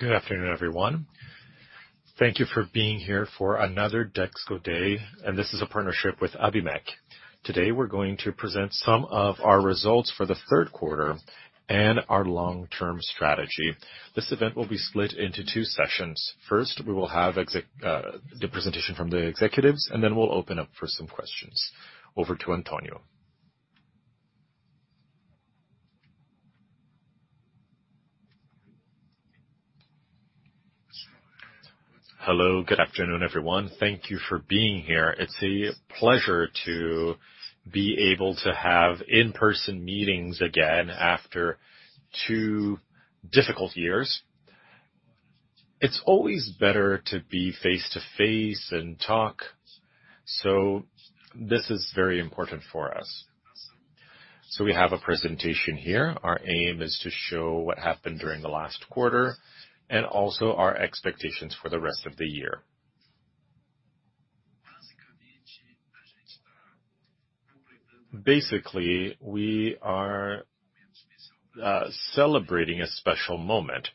Good afternoon, everyone. Thank you for being here for another Dexco Day, and this is a partnership with Abimec. Today, we're going to present some of our results for the third quarter and our long-term strategy. This event will be split into two sessions. First, we will have the presentation from the executives, and then we'll open up for some questions. Over to Antonio. Hello. Good afternoon, everyone. Thank you for being here. It's a pleasure to be able to have in-person meetings again after two difficult years. It's always better to be face-to-face and talk, so this is very important for us. We have a presentation here. Our aim is to show what happened during the last quarter and also our expectations for the rest of the year. Basically, we are celebrating a special moment.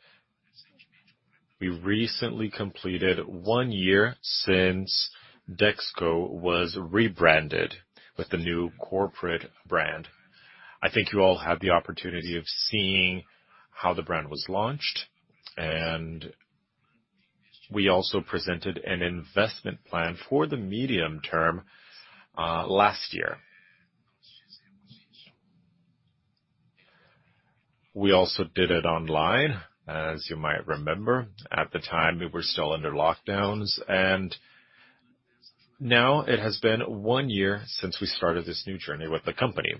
We recently completed one year since Dexco was rebranded with the new corporate brand. I think you all had the opportunity of seeing how the brand was launched, and we also presented an investment plan for the medium term, last year. We also did it online, as you might remember. At the time, we were still under lockdowns. Now it has been one year since we started this new journey with the company.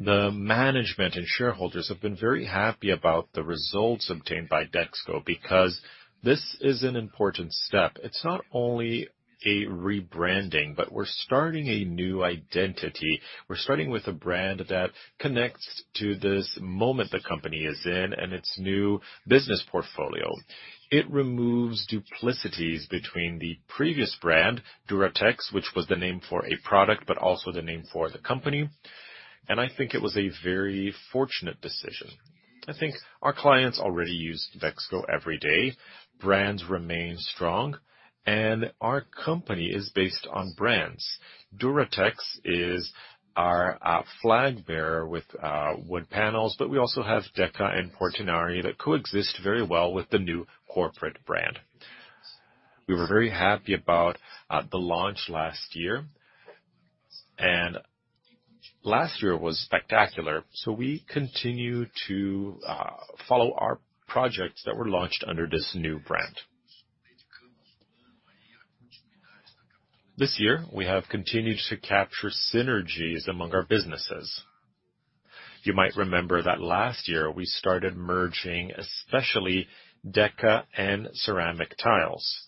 The management and shareholders have been very happy about the results obtained by Dexco because this is an important step. It's not only a rebranding, but we're starting a new identity. We're starting with a brand that connects to this moment the company is in and its new business portfolio. It removes duplicities between the previous brand, Duratex, which was the name for a product, but also the name for the company. I think it was a very fortunate decision. I think our clients already use Dexco every day. Brands remain strong, and our company is based on brands. Duratex is our flag bearer with wood panels, but we also have Deca and Portinari that coexist very well with the new corporate brand. We were very happy about the launch last year. Last year was spectacular, so we continue to follow our projects that were launched under this new brand. This year, we have continued to capture synergies among our businesses. You might remember that last year we started merging, especially Deca and ceramic tiles.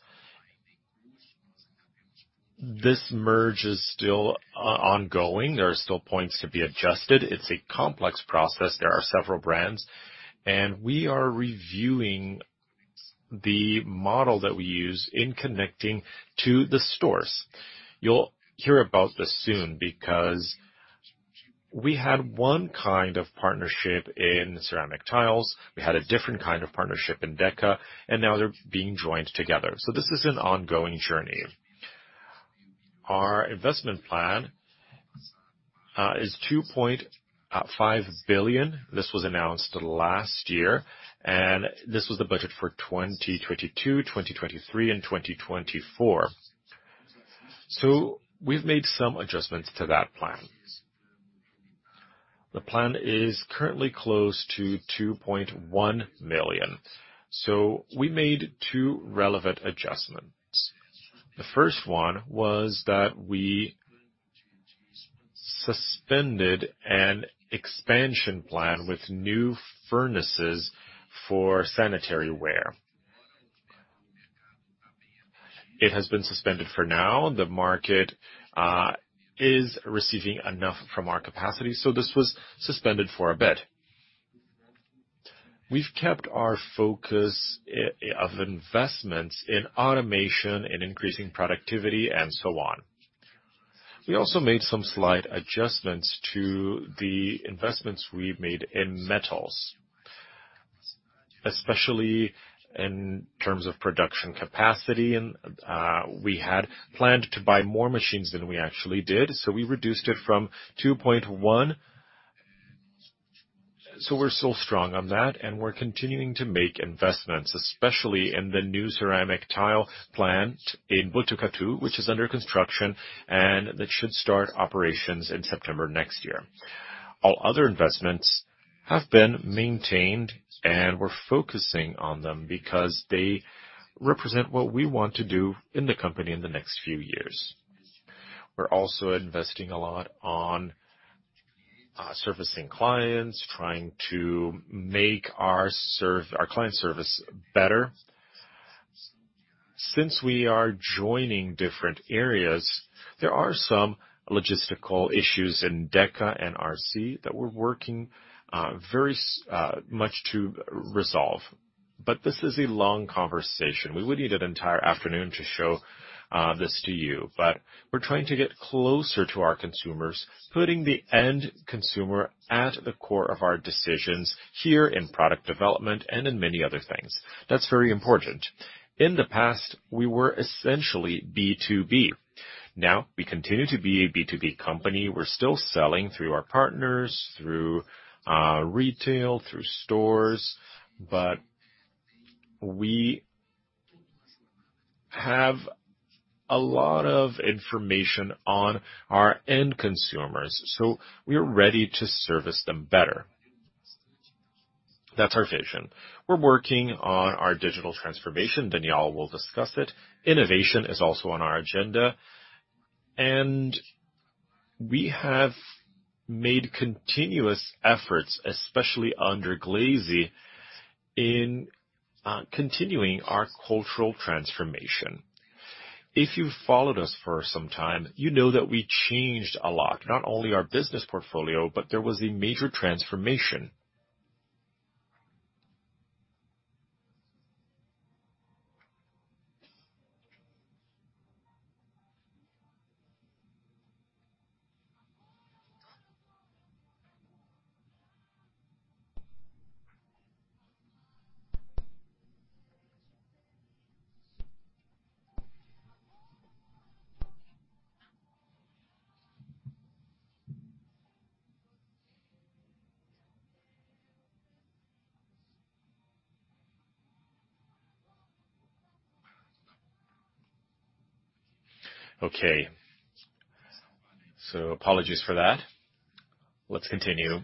This merge is still ongoing. There are still points to be adjusted. It's a complex process. There are several brands, and we are reviewing the model that we use in connecting to the stores. You'll hear about this soon because we had one kind of partnership in ceramic tiles. We had a different kind of partnership in Deca, and now they're being joined together. This is an ongoing journey. Our investment plan is 2.5 billion. This was announced last year, and this was the budget for 2022, 2023, and 2024. We've made some adjustments to that plan. The plan is currently close to 2.1 million. We made two relevant adjustments. The first one was that we suspended an expansion plan with new furnaces for sanitary ware. It has been suspended for now. The market is receiving enough from our capacity, so this was suspended for a bit. We've kept our focus of investments in automation and increasing productivity and so on. We also made some slight adjustments to the investments we've made in metals, especially in terms of production capacity and we had planned to buy more machines than we actually did, so we reduced it from 2.1. We're still strong on that, and we're continuing to make investments, especially in the new ceramic tile plant in Botucatu, which is under construction, and that should start operations in September next year. All other investments have been maintained, and we're focusing on them because they represent what we want to do in the company in the next few years. We're also investing a lot on servicing clients, trying to make our client service better. Since we are joining different areas, there are some logistical issues in Deca and RC that we're working very much to resolve. This is a long conversation. We would need an entire afternoon to show this to you. But we're trying to get closer to our consumers, putting the end consumer at the core of our decisions here in product development and in many other things. That's very important. In the past, we were essentially B2B. Now, we continue to be a B2B company. We're still selling through our partners, through retail, through stores, but we have a lot of information on our end consumers, so we are ready to service them better. That's our vision. We're working on our digital transformation. Daniel will discuss it. Innovation is also on our agenda. We have made continuous efforts, especially under Glízia, in continuing our cultural transformation. If you've followed us for some time, you know that we changed a lot, not only our business portfolio, but there was a major transformation. Okay. Apologies for that. Let's continue.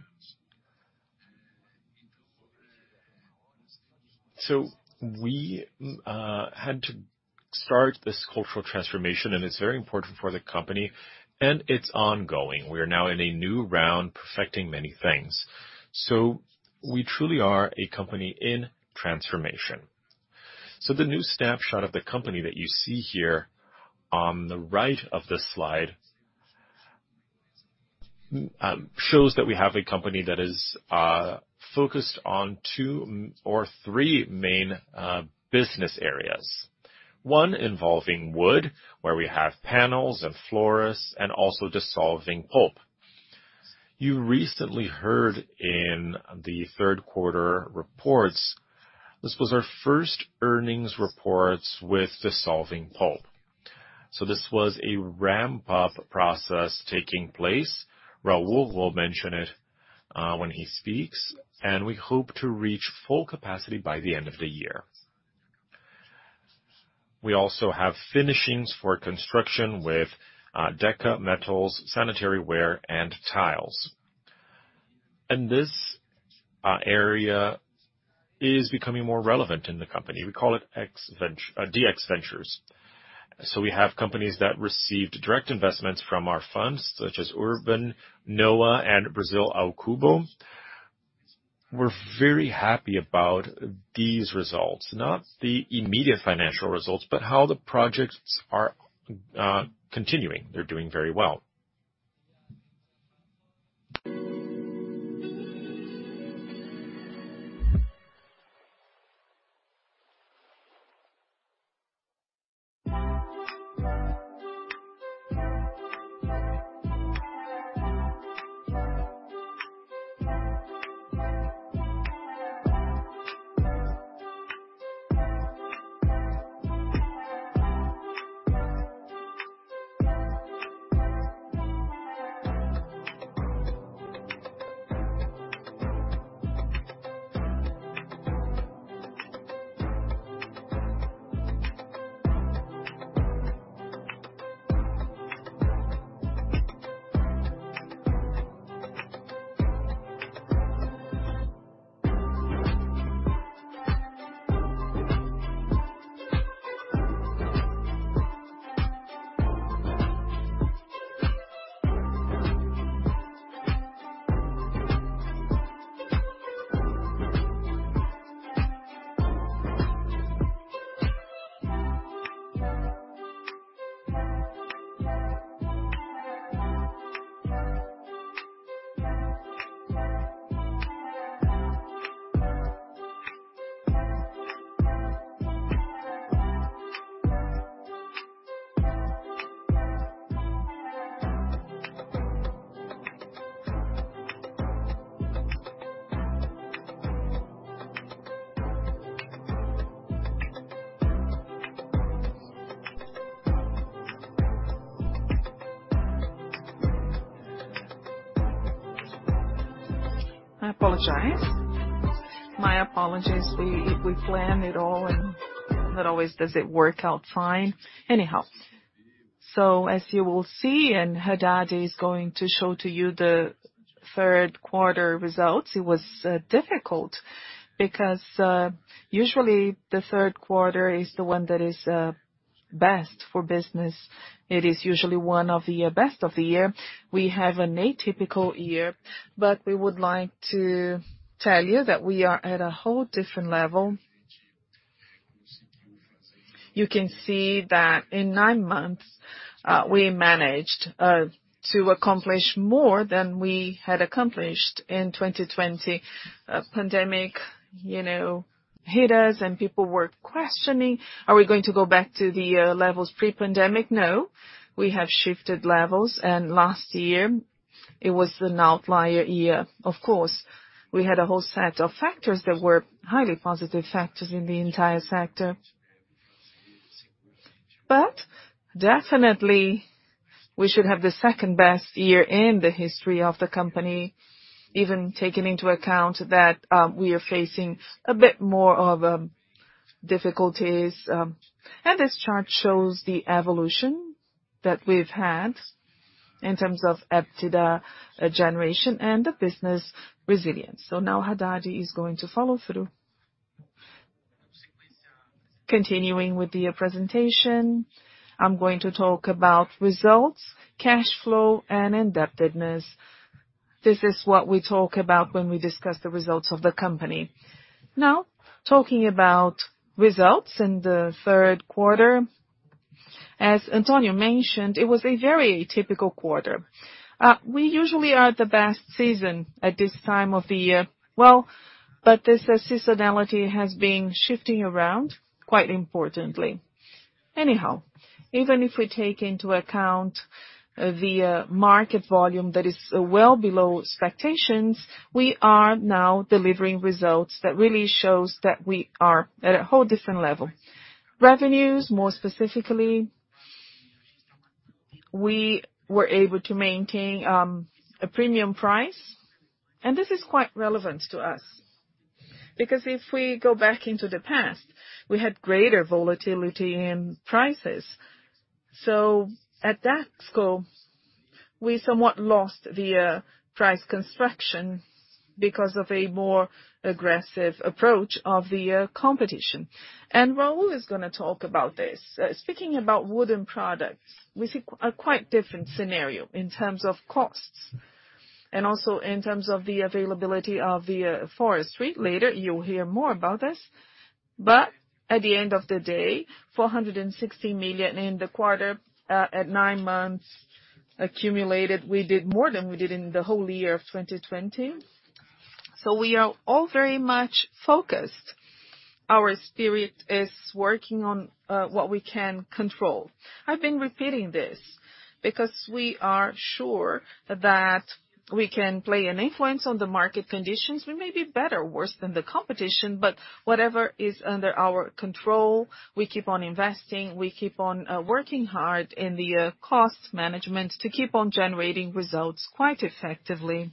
We had to start this cultural transformation, and it's very important for the company, and it's ongoing. We are now in a new round, perfecting many things. We truly are a company in transformation. The new snapshot of the company that you see here on the right of this slide shows that we have a company that is focused on two or three main business areas. One involving wood, where we have panels and floors, and also dissolving pulp. You recently heard in the third quarter reports; this was our first earnings reports with dissolving pulp. This was a ramp-up process taking place. Raul will mention it when he speaks, and we hope to reach full capacity by the end of the year. We also have finishings for construction with Deca, metals, sanitary ware, and tiles. This area is becoming more relevant in the company. We call it DX Ventures. We have companies that received direct investments from our funds, such as Urbem, Noah, and Brasil ao Cubo. We're very happy about these results. Not the immediate financial results, but how the projects are continuing. They're doing very well. I apologize. My apologies. We plan it all and not always does it work out fine. Anyhow. As you will see, Haddad is going to show to you the third quarter results. It was difficult because usually the third quarter is the one that is best for business. It is usually one of the best of the year. We have an atypical year, but we would like to tell you that we are at a whole different level. You can see that in nine months we managed to accomplish more than we had accomplished in 2020. Pandemic, you know, hit us and people were questioning, are we going to go back to the levels pre-pandemic? No. We have shifted levels, and last year it was an outlier year. Of course, we had a whole set of factors that were highly positive factors in the entire sector. Definitely we should have the second-best year in the history of the company, even taking into account that, we are facing a bit more of, difficulties. And this chart shows the evolution that we've had in terms of EBITDA, generation and the business resilience. Now Haddad is going to follow through. Continuing with the presentation, I'm going to talk about results, cash flow, and indebtedness. This is what we talk about when we discuss the results of the company. Now, talking about results in the third quarter. As Antonio mentioned, it was a very atypical quarter. We usually are at the best season at this time of the year. Well, this seasonality has been shifting around, quite importantly. Anyhow, even if we take into account the market volume that is well below expectations, we are now delivering results that really shows that we are at a whole different level. Revenues, more specifically. We were able to maintain a premium price, and this is quite relevant to us because if we go back into the past, we had greater volatility in prices. At that score, we somewhat lost the price construction because of a more aggressive approach of the competition. Raul is gonna talk about this. Speaking about wooden products, we see a quite different scenario in terms of costs and also in terms of the availability of the forestry. Later you'll hear more about this. At the end of the day, 460 million in the quarter, at nine months accumulated, we did more than we did in the whole year of 2020. We are all very much focused. Our spirit is working on what we can control. I've been repeating this because we are sure that we can play an influence on the market conditions. We may be better or worse than the competition, but whatever is under our control, we keep on investing, we keep on working hard in the cost management to keep on generating results quite effectively.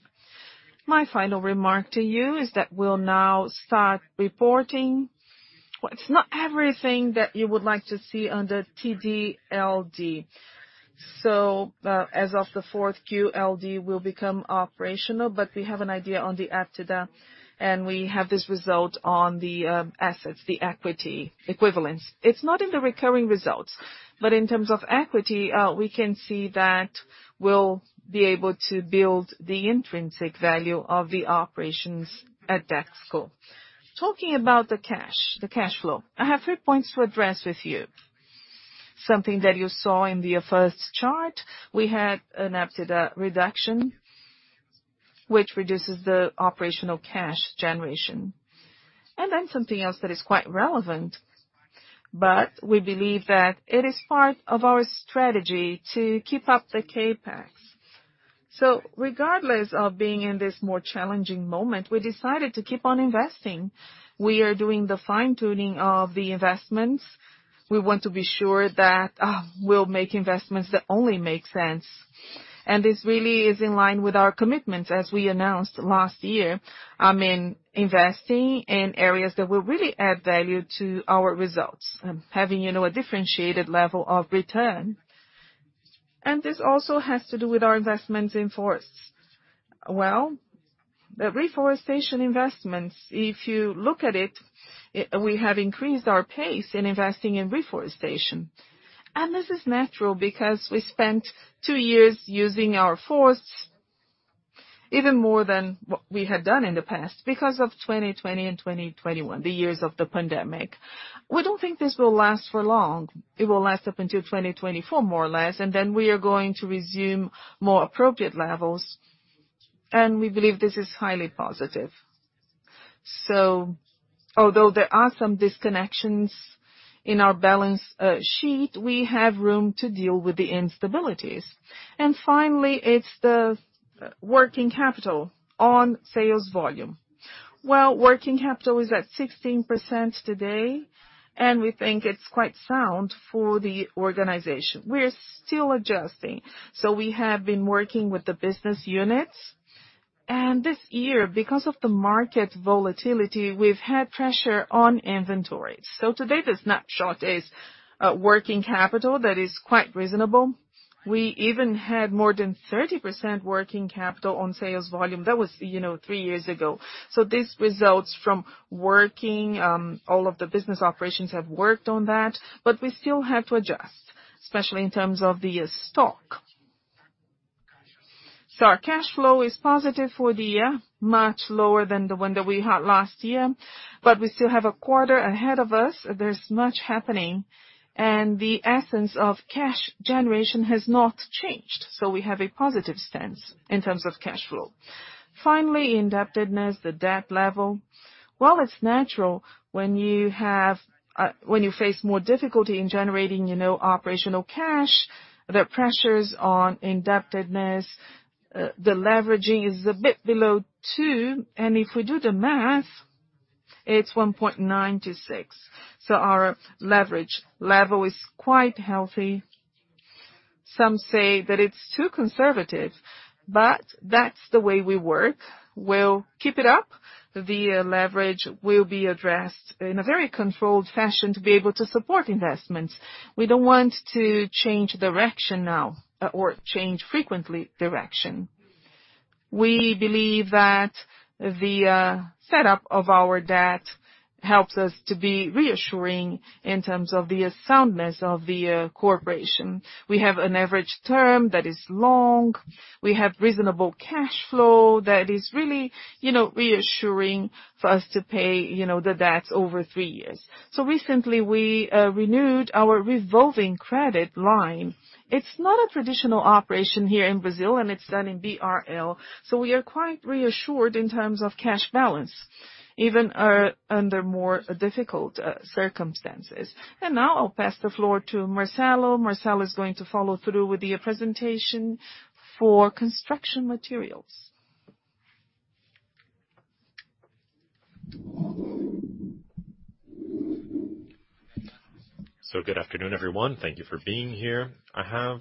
My final remark to you is that we'll now start reporting what's not everything that you would like to see under TDLD. As of the fourth Q, LD will become operational, but we have an idea on the EBITDA, and we have this result on the assets, the equity equivalence. It's not in the recurring results, but in terms of equity, we can see that we'll be able to build the intrinsic value of the operations at that score. Talking about the cash, the cash flow. I have three points to address with you. Something that you saw in the first chart, we had an EBITDA reduction which reduces the operational cash generation. Something else that is quite relevant, but we believe that it is part of our strategy to keep up the CapEx. Regardless of being in this more challenging moment, we decided to keep on investing. We are doing the fine-tuning of the investments. We want to be sure that we'll make investments that only make sense. This really is in line with our commitments as we announced last year, I mean, investing in areas that will really add value to our results, having, you know, a differentiated level of return. This also has to do with our investments in forests. The reforestation investments, if you look at it, we have increased our pace in investing in reforestation. This is natural because we spent two years using our forests even more than what we had done in the past because of 2020 and 2021, the years of the pandemic. We don't think this will last for long. It will last up until 2024, more or less, and then we are going to resume more appropriate levels, and we believe this is highly positive. Although there are some disconnects in our balance sheet, we have room to deal with the instabilities. Finally, it's the working capital on sales volume. Well, working capital is at 16% today, and we think it's quite sound for the organization. We're still adjusting, so we have been working with the business units. This year, because of the market volatility, we've had pressure on inventories. Today, the snapshot is working capital that is quite reasonable. We even had more than 30% working capital on sales volume. That was, you know, three years ago. This results from working. All of the business operations have worked on that. We still have to adjust, especially in terms of the stock. So our cash flow is positive for the year, much lower than the one that we had last year, but we still have a quarter ahead of us. There's much happening, and the essence of cash generation has not changed. So we have a positive stance in terms of cash flow. Finally, indebtedness, the debt level. While it's natural when you have, when you face more difficulty in generating, you know, operational cash, the pressures on indebtedness, the leveraging is a bit below two, and if we do the math, it's 1.96. So our leverage level is quite healthy. Some say that it's too conservative, but that's the way we work. We'll keep it up. The leverage will be addressed in a very controlled fashion to be able to support investments. We don't want to change direction now or change frequently direction. We believe that the setup of our debt helps us to be reassuring in terms of the soundness of the corporation. We have an average term that is long. We have reasonable cash flow that is really, you know, reassuring for us to pay, you know, the debts over three years. Recently we renewed our revolving credit line. It's not a traditional operation here in Brazil, and it's done in BRL, so we are quite reassured in terms of cash balance, even under more difficult circumstances. Now I'll pass the floor to Marcelo. Marcelo is going to follow through with the presentation for construction materials. Good afternoon, everyone. Thank you for being here. I have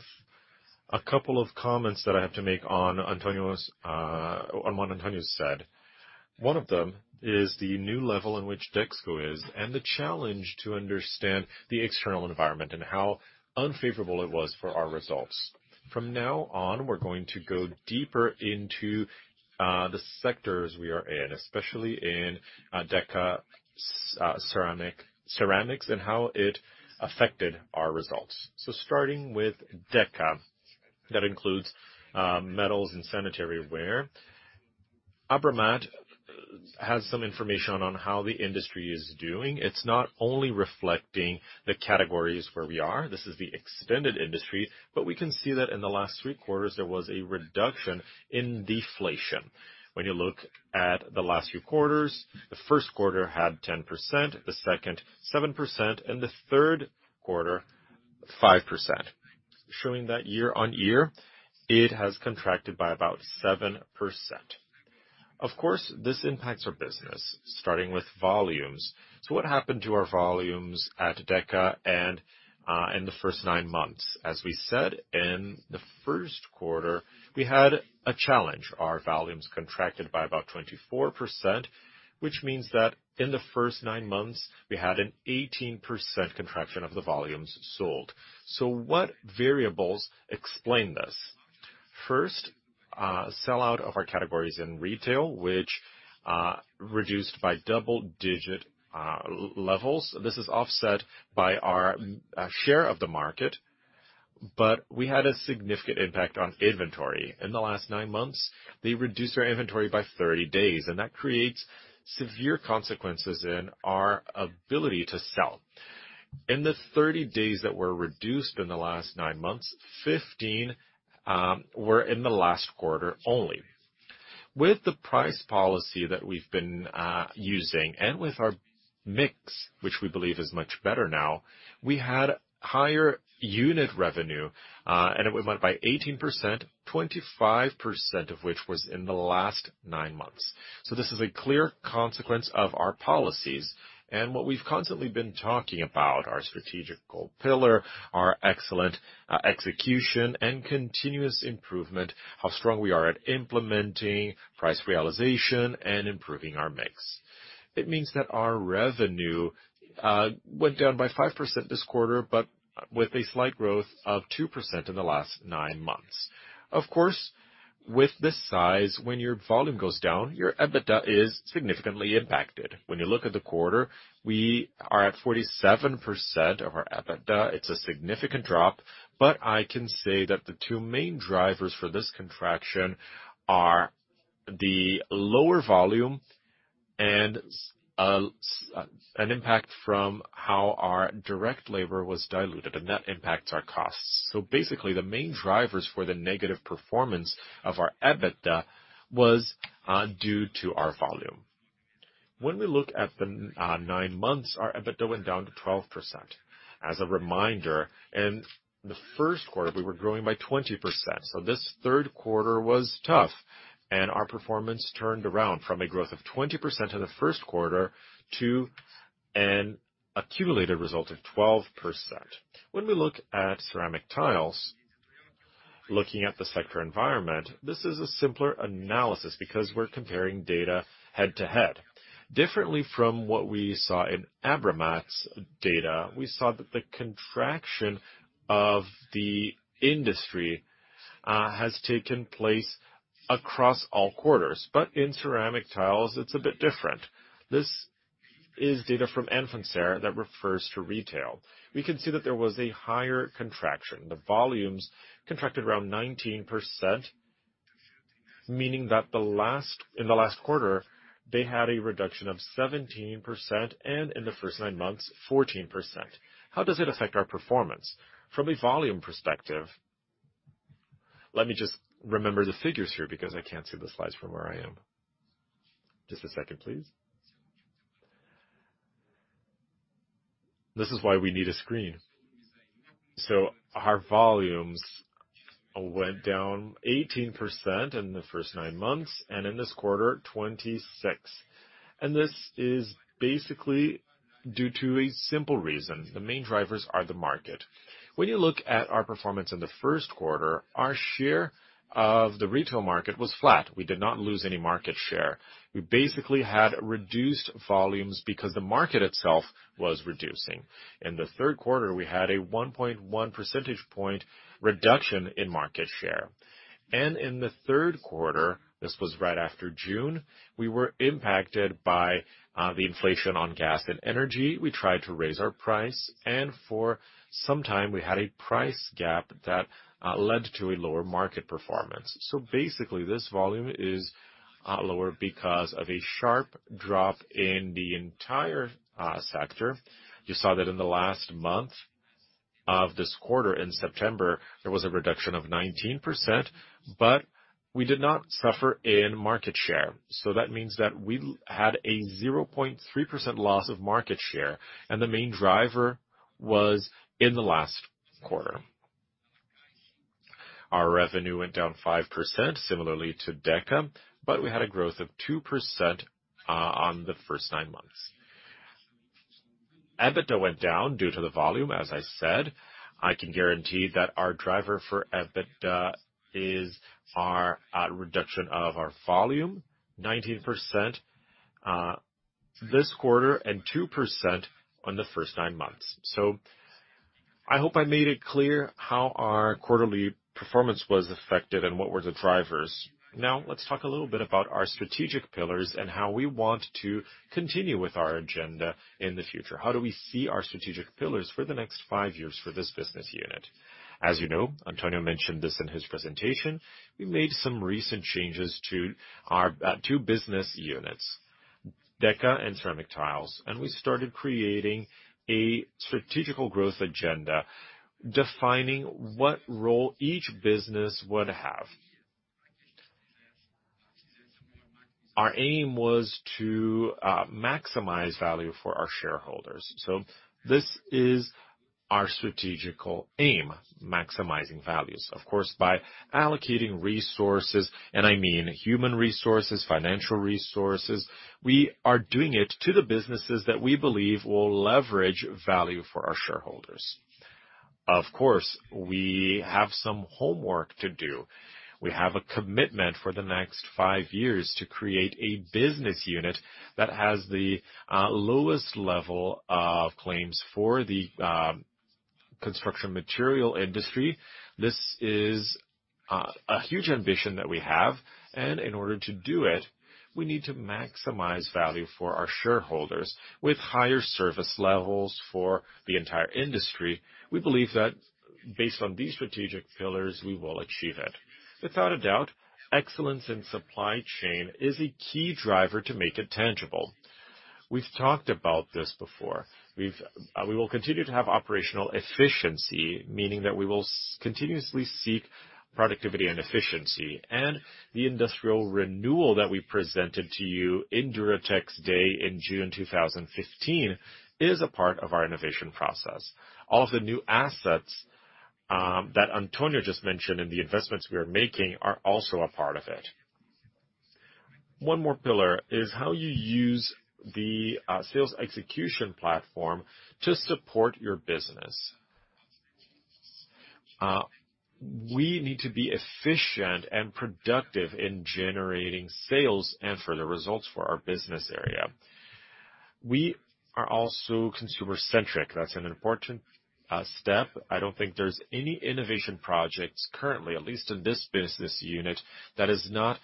a couple of comments that I have to make on Antonio's, on what Antonio said. One of them is the new level in which Dexco is and the challenge to understand the external environment and how unfavorable it was for our results. From now on, we're going to go deeper into the sectors we are in, especially in Deca, ceramics and how it affected our results. Starting with Deca, that includes metals and sanitary ware. Abramat has some information on how the industry is doing. It's not only reflecting the categories where we are. This is the extended industry, but we can see that in the last three quarters, there was a reduction in deflation. When you look at the last few quarters, the Q1 had 10%, the second, 7%, and the third quarter, 5%. Showing that year on year, it has contracted by about 7%. Of course, this impacts our business, starting with volumes. What happened to our volumes at Deca and in the first nine months? As we said, in the Q1, we had a challenge. Our volumes contracted by about 24%, which means that in the first nine months, we had an 18% contraction of the volumes sold. What variables explain this? First, sellout of our categories in retail, which reduced by double-digit levels. This is offset by our share of the market, but we had a significant impact on inventory. In the last nine months, they reduced our inventory by 30 days, and that creates severe consequences in our ability to sell. In the 30 days that were reduced in the last nine months, 15 were in the last quarter only. With the price policy that we've been using and with our mix, which we believe is much better now, we had higher unit revenue, and it went by 18%, 25% of which was in the last nine months. This is a clear consequence of our policies and what we've constantly been talking about, our strategic goal pillar, our excellent execution and continuous improvement, how strong we are at implementing price realization and improving our mix. It means that our revenue went down by 5% this quarter, but with a slight growth of 2% in the last nine months. Of course, with this size, when your volume goes down, your EBITDA is significantly impacted. When you look at the quarter, we are at 47% of our EBITDA. It's a significant drop. I can say that the two main drivers for this contraction are the lower volume and SG&A, an impact from how our direct labor was diluted, and that impacts our costs. Basically, the main drivers for the negative performance of our EBITDA was due to our volume. When we look at the nine months, our EBITDA went down to 12%. As a reminder, in the Q1, we were growing by 20%. This third quarter was tough, and our performance turned around from a growth of 20% in the Q1 to an accumulated result of 12%. When we look at ceramic tiles, looking at the sector environment, this is a simpler analysis because we're comparing data head-to-head. Differently from what we saw in Abramat's data, we saw that the contraction of the industry has taken place across all quarters. In ceramic tiles, it's a bit different. This is data from Anfacer that refers to retail. We can see that there was a higher contraction. The volumes contracted around 19%, meaning that in the last quarter, they had a reduction of 17%, and in the first nine months, 14%. How does it affect our performance? From a volume perspective. Let me just remember the figures here because I can't see the slides from where I am. Just a second, please. This is why we need a screen. Our volumes went down 18% in the first nine months, and in this quarter, 26%. This is basically due to a simple reason. The main drivers are the market. When you look at our performance in the Q1, our share of the retail market was flat. We did not lose any market share. We basically had reduced volumes because the market itself was reducing. In the third quarter, we had a 1.1 percentage point reduction in market share. In the third quarter, this was right after June, we were impacted by the inflation on gas and energy. We tried to raise our price, and for some time, we had a price gap that led to a lower market performance. Basically, this volume is lower because of a sharp drop in the entire sector. You saw that in the last month of this quarter, in September, there was a reduction of 19%, but we did not suffer in market share. That means that we had a 0.3% loss of market share, and the main driver was in the last quarter. Our revenue went down 5%, similarly to Deca, but we had a growth of 2% on the first nine months. EBITDA went down due to the volume, as I said. I can guarantee that our driver for EBITDA is our reduction of our volume, 19% this quarter and 2% on the first nine months. I hope I made it clear how our quarterly performance was affected and what were the drivers. Now let's talk a little bit about our strategic pillars and how we want to continue with our agenda in the future. How do we see our strategic pillars for the next five years for this business unit? As you know, Antonio mentioned this in his presentation, we made some recent changes to our two business units, Deca and Ceramic Tiles, and we started creating a strategic growth agenda defining what role each business would have. Our aim was to maximize value for our shareholders. This is our strategic aim, maximizing value. Of course, by allocating resources, and I mean human resources, financial resources, we are doing it to the businesses that we believe will leverage value for our shareholders. Of course, we have some homework to do. We have a commitment for the next five years to create a business unit that has the lowest level of claims for the construction material industry. This is a huge ambition that we have, and in order to do it, we need to maximize value for our shareholders with higher service levels for the entire industry. We believe that based on these strategic pillars, we will achieve it. Without a doubt, excellence in supply chain is a key driver to make it tangible. We've talked about this before. We will continue to have operational efficiency, meaning that we will continuously seek productivity and efficiency. The industrial renewal that we presented to you in Duratex Day in June 2015 is a part of our innovation process. All of the new assets, that Antonio just mentioned and the investments we are making are also a part of it. One more pillar is how you use the, sales execution platform to support your business. We need to be efficient and productive in generating sales and for the results for our business area. We are also consumer-centric. That's an important, step. I don't think there's any innovation projects currently, at least in this business unit, that is not,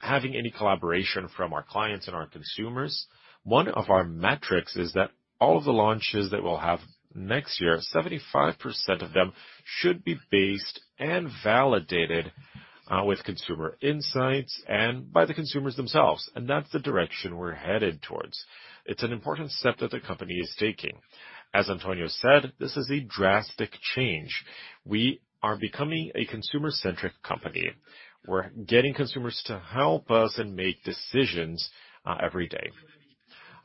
having any collaboration from our clients and our consumers. One of our metrics is that all of the launches that we'll have next year, 75% of them should be based and validated, with consumer insights and by the consumers themselves, and that's the direction we're headed towards. It's an important step that the company is taking. As Antonio said, this is a drastic change. We are becoming a consumer-centric company. We're getting consumers to help us and make decisions every day.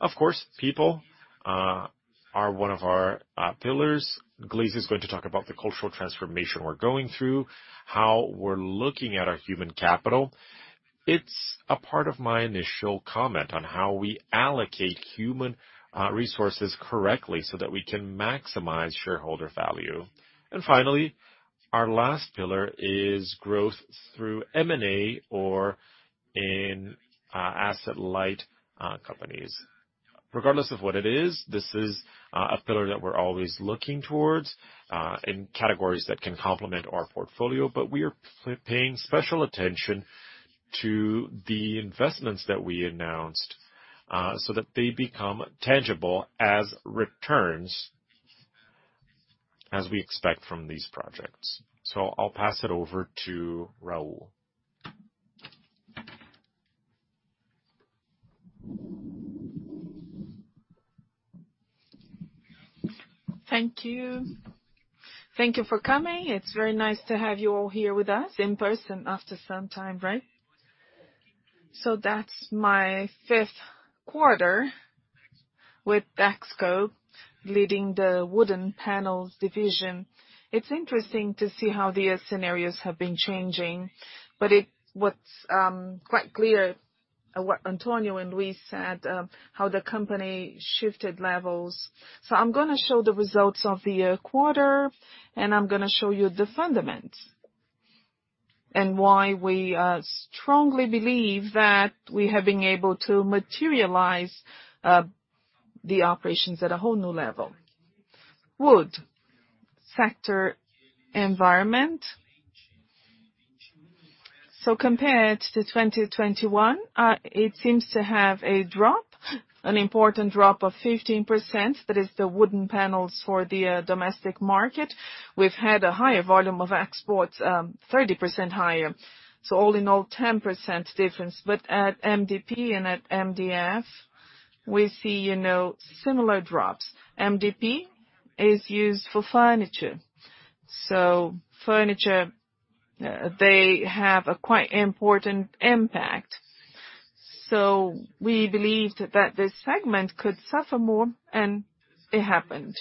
Of course, people are one of our pillars. Gleise is going to talk about the cultural transformation we're going through, how we're looking at our human capital. It's a part of my initial comment on how we allocate human resources correctly so that we can maximize shareholder value. Finally, our last pillar is growth through M&A or in asset light companies. Regardless of what it is, this is a pillar that we're always looking towards in categories that can complement our portfolio, but we are paying special attention to the investments that we announced so that they become tangible as returns as we expect from these projects. I'll pass it over to Raul. Thank you. Thank you for coming. It's very nice to have you all here with us in person after some time, right? That's my fifth quarter with Dexco leading the wood panels division. It's interesting to see how the scenarios have been changing, but what's quite clear, what Antonio and Marcelo said, how the company shifted levels. I'm gonna show the results of the quarter, and I'm gonna show you the fundamentals and why we strongly believe that we have been able to materialize the operations at a whole new level. Wood sector environment. Compared to 2021, it seems to have a drop, an important drop of 15%. That is the wood panels for the domestic market. We've had a higher volume of exports, 30% higher. All in all, 10% difference. At MDP and at MDF, we see, you know, similar drops. MDP is used for furniture. Furniture, they have a quite important impact. We believed that this segment could suffer more, and it happened.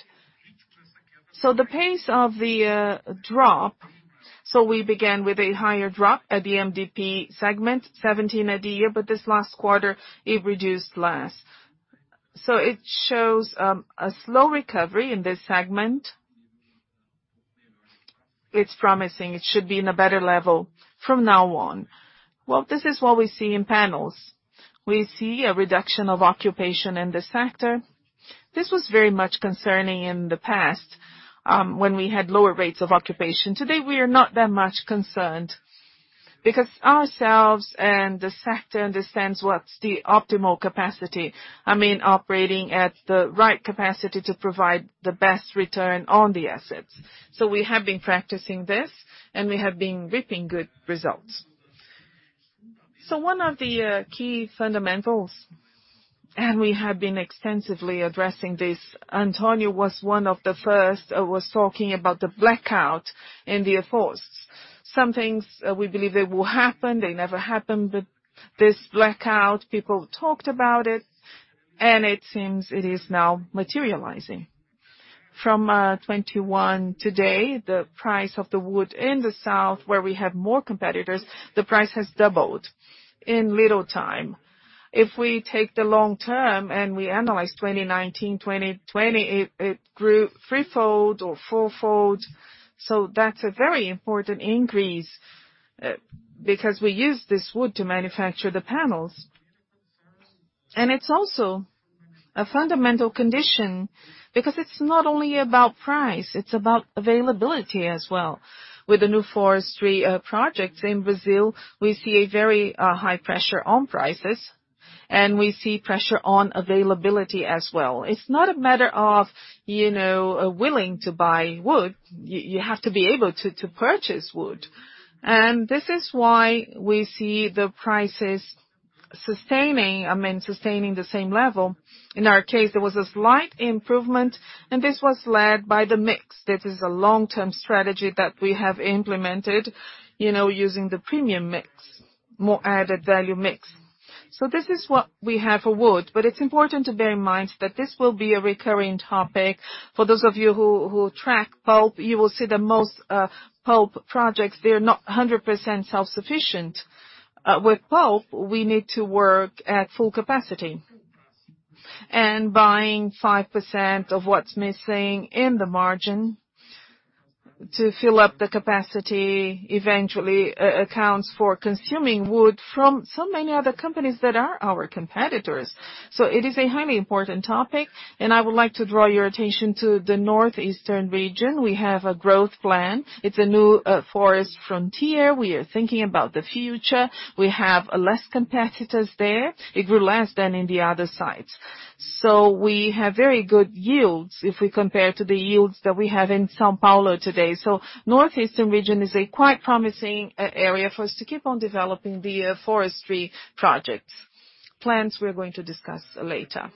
The pace of the drop. We began with a higher drop at the MDP segment, 17% in the year, but this last quarter, it reduced less. It shows a slow recovery in this segment. It's promising. It should be in a better level from now on. Well, this is what we see in panels. We see a reduction of occupation in the sector. This was very much concerning in the past, when we had lower rates of occupation. Today, we are not that much concerned because ourselves and the sector understands what's the optimal capacity. I mean, operating at the right capacity to provide the best return on the assets. We have been practicing this, and we have been reaping good results. One of the key fundamentals, and we have been extensively addressing this, Antonio was one of the first was talking about the blackout in the forests. Some things we believe they will happen, they never happen. This blackout, people talked about it, and it seems it is now materializing. From 2021 today, the price of the wood in the south, where we have more competitors, the price has doubled in little time. If we take the long term and we analyze 2019, 2020, it grew threefold or fourfold. That's a very important increase because we use this wood to manufacture the panels. It's also a fundamental condition because it's not only about price, it's about availability as well. With the new forestry projects in Brazil, we see a very high pressure on prices, and we see pressure on availability as well. It's not a matter of, you know, willing to buy wood. You have to be able to purchase wood. This is why we see the prices sustaining, I mean, sustaining the same level. In our case, there was a slight improvement, and this was led by the mix. This is a long-term strategy that we have implemented, you know, using the premium mix, more added value mix. This is what we have for wood, but it's important to bear in mind that this will be a recurring topic. For those of you who track pulp, you will see that most pulp projects, they're not 100% self-sufficient. With pulp, we need to work at full capacity. Buying 5% of what's missing in the margin to fill up the capacity eventually accounts for consuming wood from so many other companies that are our competitors. It is a highly important topic, and I would like to draw your attention to the northeastern region. We have a growth plan. It's a new forest frontier. We are thinking about the future. We have less competitors there. It grew less than in the other sites. We have very good yields if we compare to the yields that we have in São Paulo today. Northeastern region is a quite promising area for us to keep on developing the forestry projects. Plans we are going to discuss later.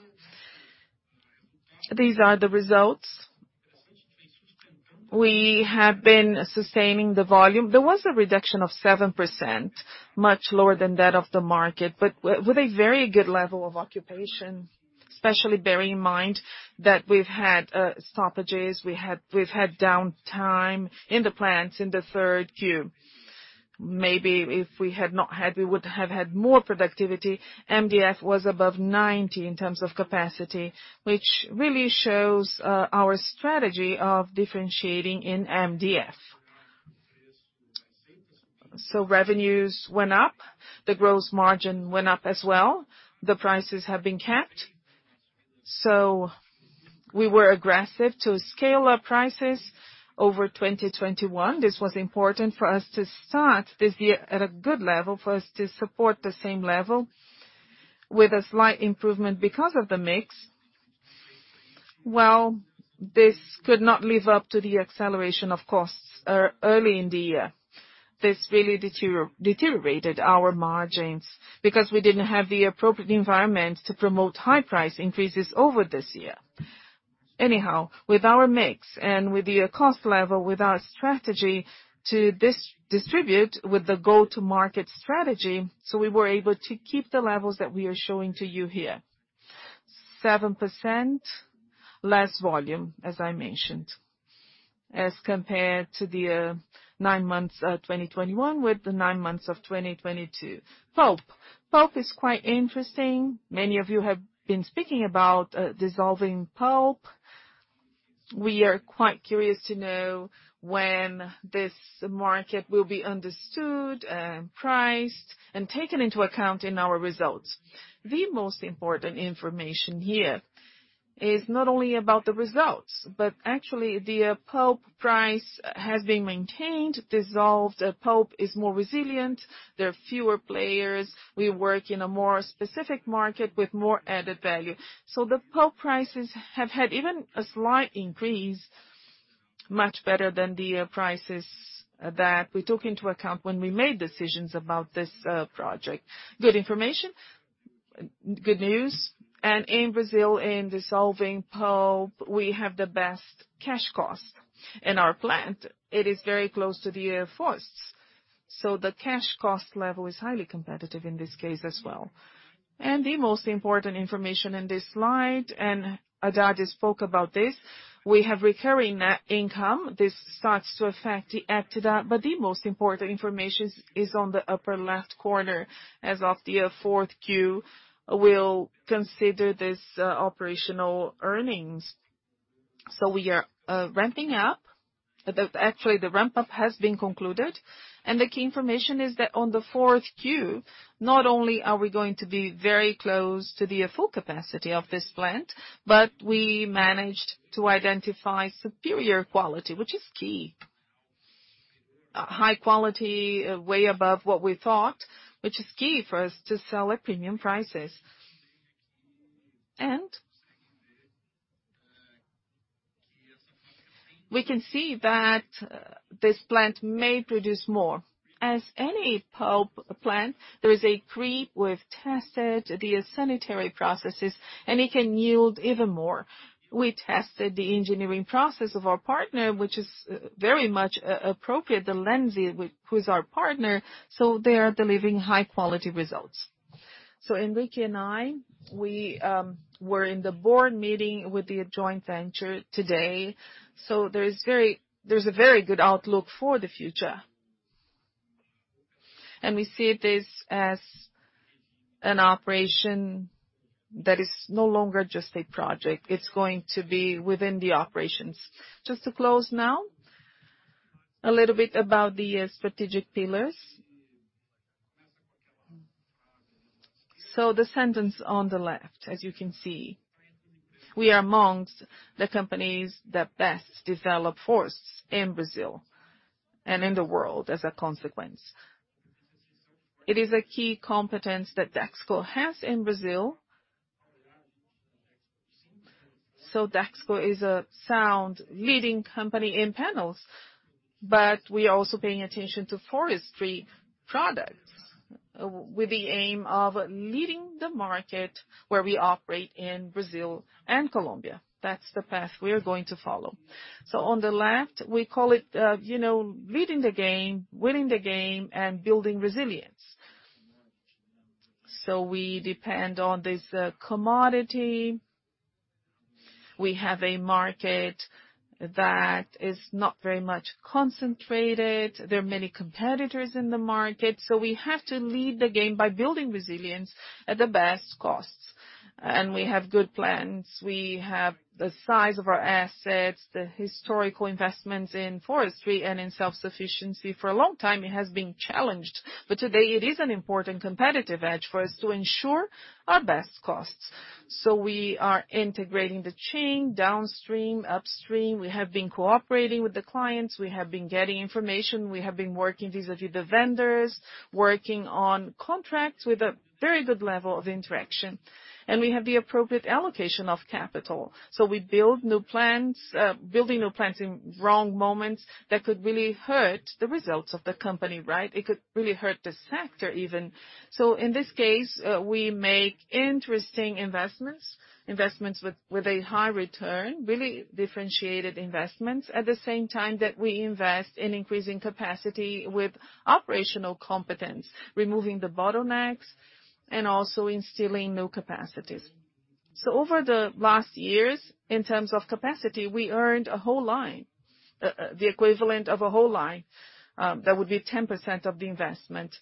These are the results. We have been sustaining the volume. There was a reduction of 7%, much lower than that of the market, but with a very good level of occupation, especially bearing in mind that we've had stoppages, we've had downtime in the plants in the third Q. Maybe if we had not had, we would have had more productivity. MDF was above 90 in terms of capacity, which really shows our strategy of differentiating in MDF. Revenues went up, the gross margin went up as well. The prices have been kept. We were aggressive to scale our prices over 2021. This was important for us to start this year at a good level for us to support the same level with a slight improvement because of the mix. Well, this could not live up to the acceleration of costs early in the year. This really deteriorated our margins because we didn't have the appropriate environment to promote high price increases over this year. Anyhow, with our mix and with the cost level, with our strategy to distribute with the go-to-market strategy, we were able to keep the levels that we are showing to you here. 7% less volume, as I mentioned, as compared to the nine months of 2021 with the nine months of 2022. Pulp. Pulp is quite interesting. Many of you have been speaking about dissolving pulp. We are quite curious to know when this market will be understood, priced and taken into account in our results. The most important information here is not only about the results, but actually the pulp price has been maintained. Dissolving pulp is more resilient. There are fewer players. We work in a more specific market with more added value. The pulp prices have had even a slight increase, much better than the prices that we took into account when we made decisions about this project. Good information, good news. In Brazil, in dissolving pulp, we have the best cash costs in our plant. It is very close to the forests. The cash cost level is highly competitive in this case as well. The most important information in this slide, and Haddad spoke about this, we have recurring net income. This starts to affect the EBITDA, but the most important information is on the upper left corner as of the fourth Q, we'll consider this operational earnings. We are ramping up. Actually, the ramp-up has been concluded, and the key information is that on the fourth Q, not only are we going to be very close to the full capacity of this plant, but we managed to identify superior quality, which is key. High quality way above what we thought, which is key for us to sell at premium prices. We can see that this plant may produce more. As any pulp plant, there is a creep. We've tested the sanitary processes, and it can yield even more. We tested the engineering process of our partner, which is very much appropriate, the Lenzing, who's our partner, so they are delivering high-quality results. Henrique and I were in the board meeting with the joint venture today, so there's a very good outlook for the future. We see this as an operation that is no longer just a project. It's going to be within the operations. Just to close now, a little bit about the strategic pillars. The sentence on the left, as you can see, we are among the companies that best develop forests in Brazil and in the world as a consequence. It is a key competence that Dexco has in Brazil. Dexco is a sound leading company in panels, but we are also paying attention to forestry products with the aim of leading the market where we operate in Brazil and Colombia. That's the path we are going to follow. On the left, we call it, you know, leading the game, winning the game and building resilience. We depend on this commodity. We have a market that is not very much concentrated. There are many competitors in the market, so we have to lead the game by building resilience at the best costs. We have good plans. We have the size of our assets, the historical investments in forestry and in self-sufficiency. For a long time, it has been challenged, but today it is an important competitive edge for us to ensure our best costs. We are integrating the chain downstream, upstream. We have been cooperating with the clients. We have been getting information. We have been working vis-à-vis the vendors, working on contracts with a very good level of interaction. We have the appropriate allocation of capital. We build new plants. Building new plants in wrong moments, that could really hurt the results of the company, right? It could really hurt the sector even. In this case, we make interesting investments with a high return, really differentiated investments, at the same time that we invest in increasing capacity with operational competence, removing the bottlenecks and also instilling new capacities. Over the last years, in terms of capacity, we earned a whole line, the equivalent of a whole line, that would be 10% of the investment.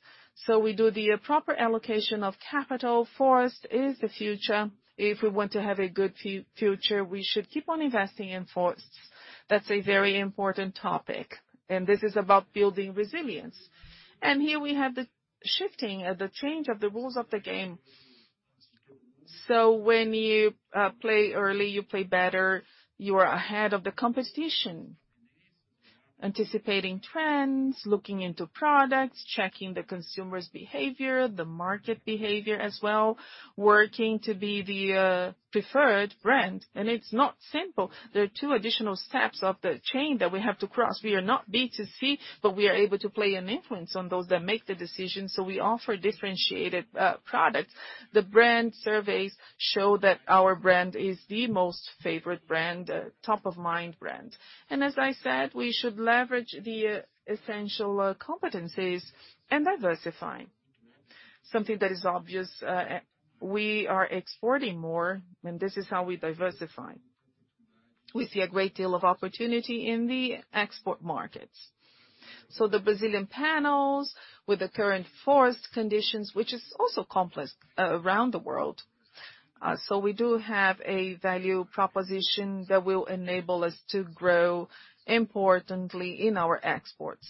We do the proper allocation of capital. Forest is the future. If we want to have a good future, we should keep on investing in forests. That's a very important topic, and this is about building resilience. Here we have the shifting, the change of the rules of the game. When you play early, you play better. You are ahead of the competition, anticipating trends, looking into products, checking the consumer's behavior, the market behavior as well, working to be the preferred brand. It's not simple. There are two additional steps of the chain that we have to cross. We are not B2C, but we are able to play an influence on those that make the decision. We offer differentiated products. The brand surveys show that our brand is the most favorite brand, top of mind brand. As I said, we should leverage the essential competencies and diversify. Something that is obvious, we are exporting more, and this is how we diversify. We see a great deal of opportunity in the export markets. The Brazilian panels with the current forest conditions, which is also complex around the world. We do have a value proposition that will enable us to grow importantly in our exports.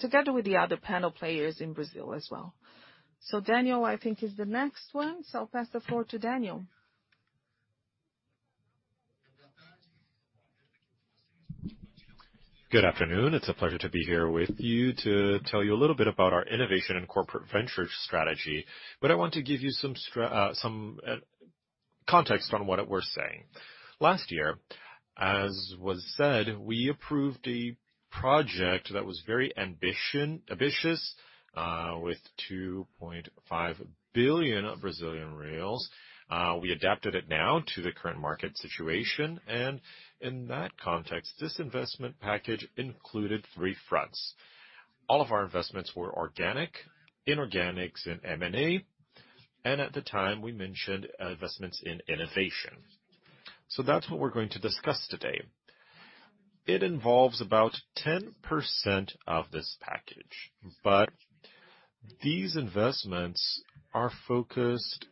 Together with the other panel players in Brazil as well. Daniel, I think, is the next one. I'll pass the floor to Daniel. Good afternoon. It's a pleasure to be here with you to tell you a little bit about our innovation and corporate ventures strategy. I want to give you some context on what we're saying. Last year, as was said, we approved a project that was very ambitious with 2.5 billion. We adapted it now to the current market situation, and in that context, this investment package included three fronts. All of our investments were organic, inorganic in M&A, and at the time, we mentioned investments in innovation. That's what we're going to discuss today. It involves about 10% of this package, but these investments are focused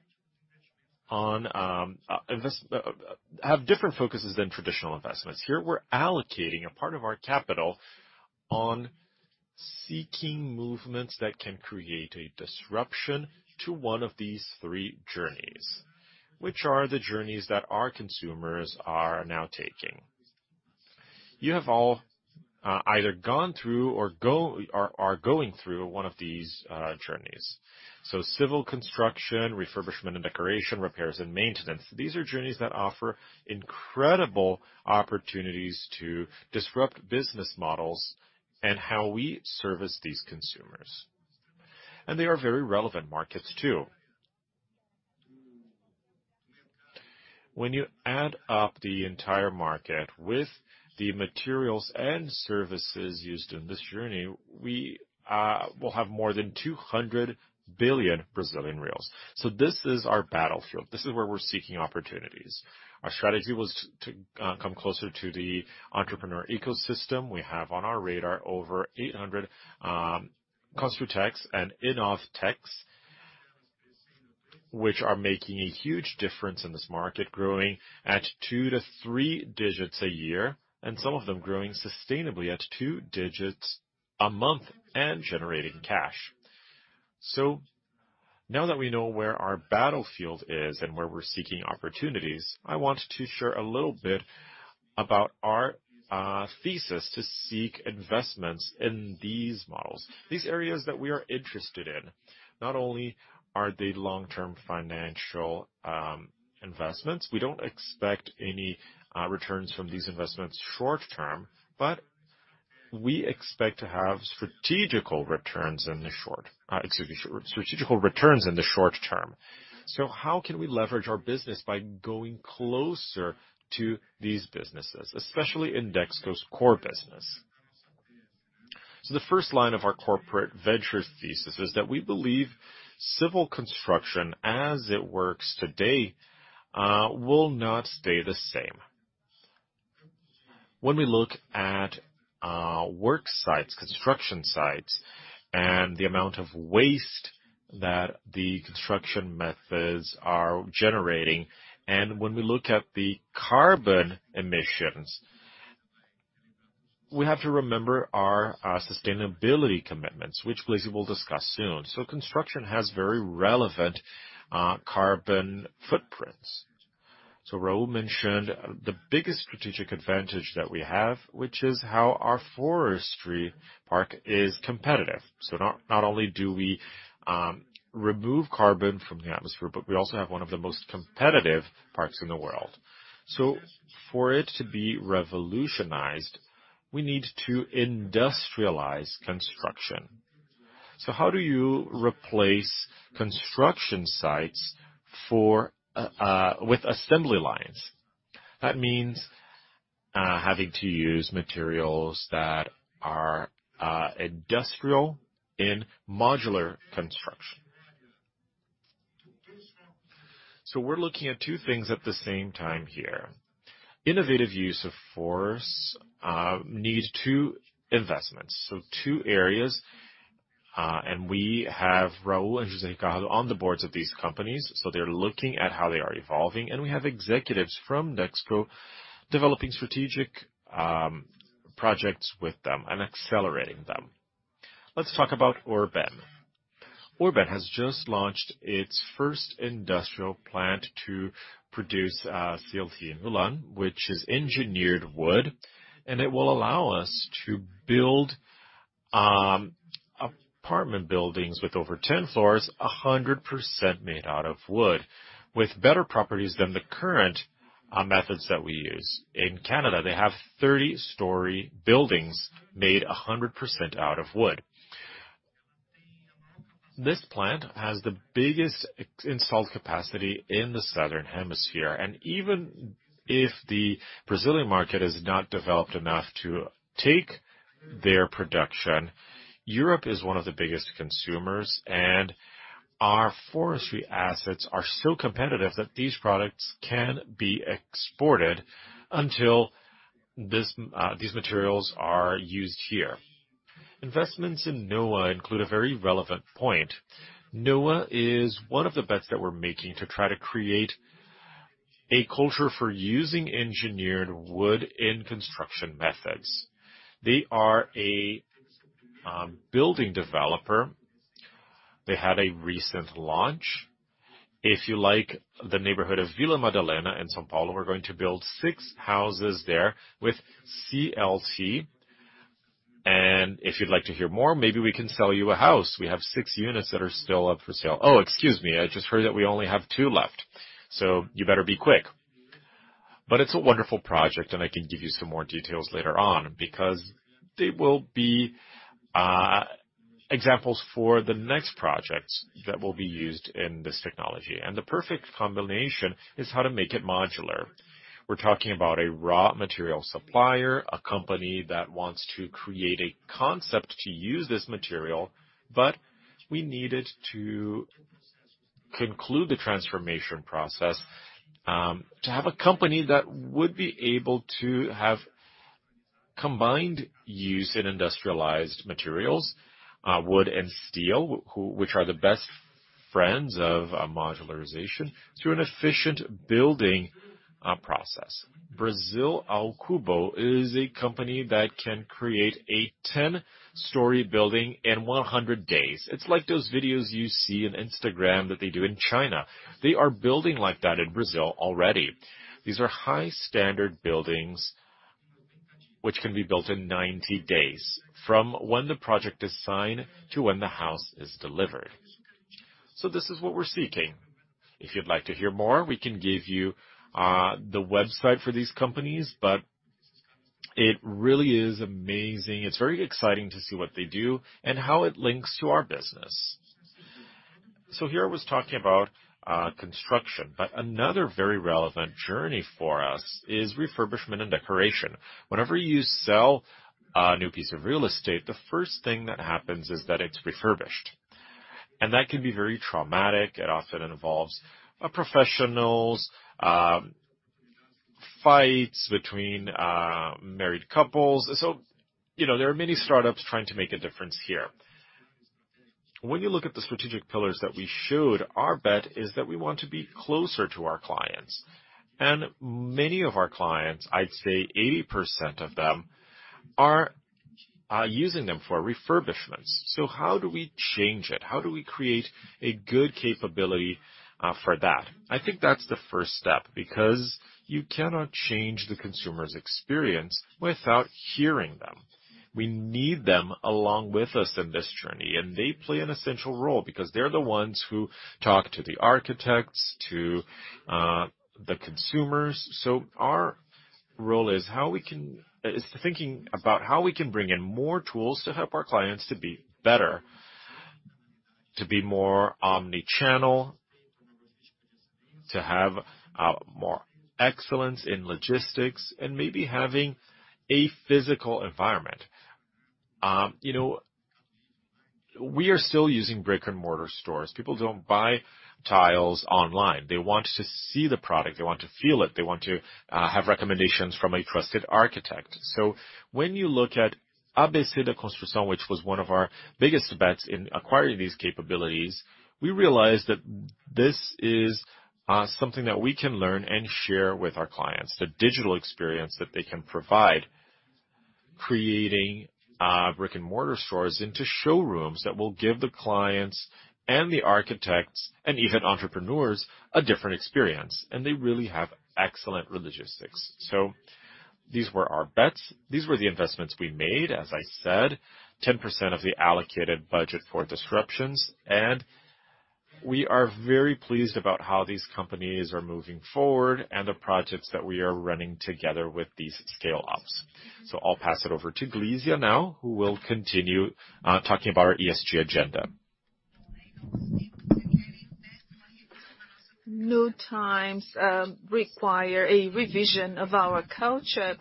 on, have different focuses than traditional investments. Here we're allocating a part of our capital on seeking movements that can create a disruption to one of these three journeys, which are the journeys that our consumers are now taking. You have all either gone through or are going through one of these journeys. Civil construction, refurbishment and decoration, repairs and maintenance. These are journeys that offer incredible opportunities to disrupt business models and how we service these consumers. They are very relevant markets too. When you add up the entire market with the materials and services used in this journey, we will have more than 200 billion Brazilian reais. This is our battlefield. This is where we're seeking opportunities. Our strategy was to come closer to the entrepreneur ecosystem. We have on our radar over 800 Construtechs and Inovtechs, which are making a huge difference in this market, growing at two to three digits a year, and some of them growing sustainably at two digits a month and generating cash. Now that we know where our battlefield is and where we're seeking opportunities, I want to share a little bit about our thesis to seek investments in these models. These areas that we are interested in, not only are they long-term financial investments, we don't expect any returns from these investments short-term, but we expect to have strategical returns in the short-term. How can we leverage our business by going closer to these businesses, especially in Dexco's core business? The first line of our corporate venture thesis is that we believe civil construction, as it works today, will not stay the same. When we look at work sites, construction sites, and the amount of waste that the construction methods are generating, and when we look at the carbon emissions, we have to remember our sustainability commitments, which Luiz will discuss soon. Construction has very relevant carbon footprints. Raul mentioned the biggest strategic advantage that we have, which is how our forestry park is competitive. Not only do we remove carbon from the atmosphere, but we also have one of the most competitive parks in the world. For it to be revolutionized, we need to industrialize construction. How do you replace construction sites with assembly lines? That means having to use materials that are industrial in modular construction. We're looking at two things at the same time here. Innovative use of wood need two investments. Two areas, and we have Raul and José Ricardo on the boards of these companies, so they're looking at how they are evolving, and we have executives from Dexco developing strategic projects with them and accelerating them. Let's talk about Urbem. Urbem has just launched its first industrial plant to produce CLT in Lages, which is engineered wood, and it will allow us to build apartment buildings with over 10 floors, 100% made out of wood, with better properties than the current methods that we use. In Canada, they have 30-story buildings made 100% out of wood. This plant has the biggest installed capacity in the Southern Hemisphere. Even if the Brazilian market is not developed enough to take their production, Europe is one of the biggest consumers, and our forestry assets are so competitive that these products can be exported until this, these materials are used here. Investments in Noah include a very relevant point. Noah is one of the bets that we're making to try to create a culture for using engineered wood in construction methods. They are a building developer. They had a recent launch. If you like the neighborhood of Vila Madalena in São Paulo, we're going to build six houses there with CLT. If you'd like to hear more, maybe we can sell you a house. We have six units that are still up for sale. Oh, excuse me, I just heard that we only have two left, so you better be quick. It's a wonderful project, and I can give you some more details later on, because they will be examples for the next projects that will be used in this technology. The perfect combination is how to make it modular. We're talking about a raw material supplier, a company that wants to create a concept to use this material, but we needed to conclude the transformation process, to have a company that would be able to have combined use in industrialized materials, wood and steel, which are the best friends of modularization, through an efficient building process. Brasil ao Cubo is a company that can create a 10-story building in 100 days. It's like those videos you see in Instagram that they do in China. They are building like that in Brazil already. These are high-standard buildings which can be built in 90 days from when the project is signed to when the house is delivered. This is what we're seeking. If you'd like to hear more, we can give you the website for these companies, but it really is amazing. It's very exciting to see what they do and how it links to our business. Here I was talking about construction, but another very relevant journey for us is refurbishment and decoration. Whenever you sell a new piece of real estate, the first thing that happens is that it's refurbished. That can be very traumatic. It often involves professionals, fights between married couples. You know, there are many startups trying to make a difference here. When you look at the strategic pillars that we showed, our bet is that we want to be closer to our clients. Many of our clients, I'd say 80% of them, are using them for refurbishments. How do we change it? How do we create a good capability for that? I think that's the first step, because you cannot change the consumer's experience without hearing them. We need them along with us in this journey, and they play an essential role because they're the ones who talk to the architects, to the consumers. Our role is thinking about how we can bring in more tools to help our clients to be better, to be more omni-channel, to have more excellence in logistics and maybe having a physical environment. You know, we are still using brick-and-mortar stores. People don't buy tiles online. They want to see the product. They want to feel it. They want to have recommendations from a trusted architect. When you look at ABC da Construção, which was one of our biggest bets in acquiring these capabilities, we realized that this is something that we can learn and share with our clients, the digital experience that they can provide, creating brick-and-mortar stores into showrooms that will give the clients and the architects and even entrepreneurs a different experience. They really have excellent logistics. These were our bets. These were the investments we made, as I said, 10% of the allocated budget for disruptions. We are very pleased about how these companies are moving forward and the projects that we are running together with these scale-ups. I'll pass it over to Glizia now, who will continue, talking about our ESG agenda. New times require a revision of our culture.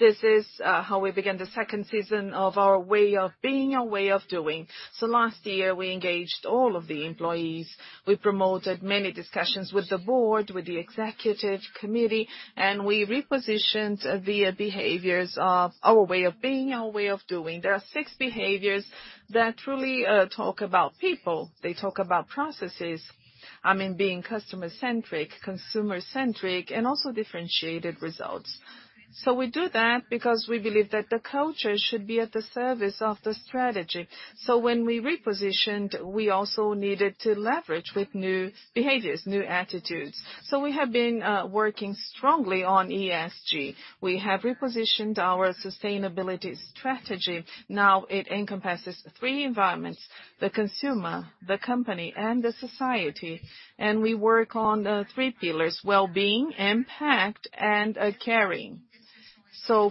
This is how we begin the second season of our way of being, our way of doing. Last year, we engaged all of the employees. We promoted many discussions with the board, with the executive committee, and we repositioned the behaviors of our way of being, our way of doing. There are six behaviors that truly talk about people. They talk about processes. I mean, being customer-centric, consumer-centric, and also differentiated results. We do that because we believe that the culture should be at the service of the strategy. When we repositioned, we also needed to leverage with new behaviors, new attitudes. We have been working strongly on ESG. We have repositioned our sustainability strategy. Now it encompasses three environments, the consumer, the company, and the society. We work on the three pillars, wellbeing, impact, and caring.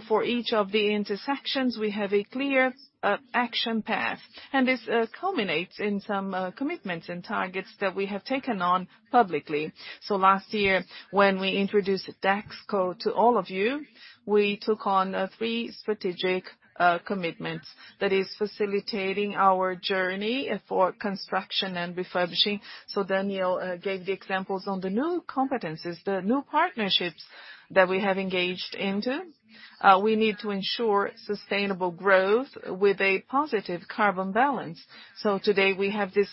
For each of the intersections, we have a clear action path. This culminates in some commitments and targets that we have taken on publicly. Last year, when we introduced Dexco to all of you, we took on three strategic commitments that is facilitating our journey for construction and refurbishing. Daniel gave the examples on the new competencies, the new partnerships that we have engaged into. We need to ensure sustainable growth with a positive carbon balance. Today we have this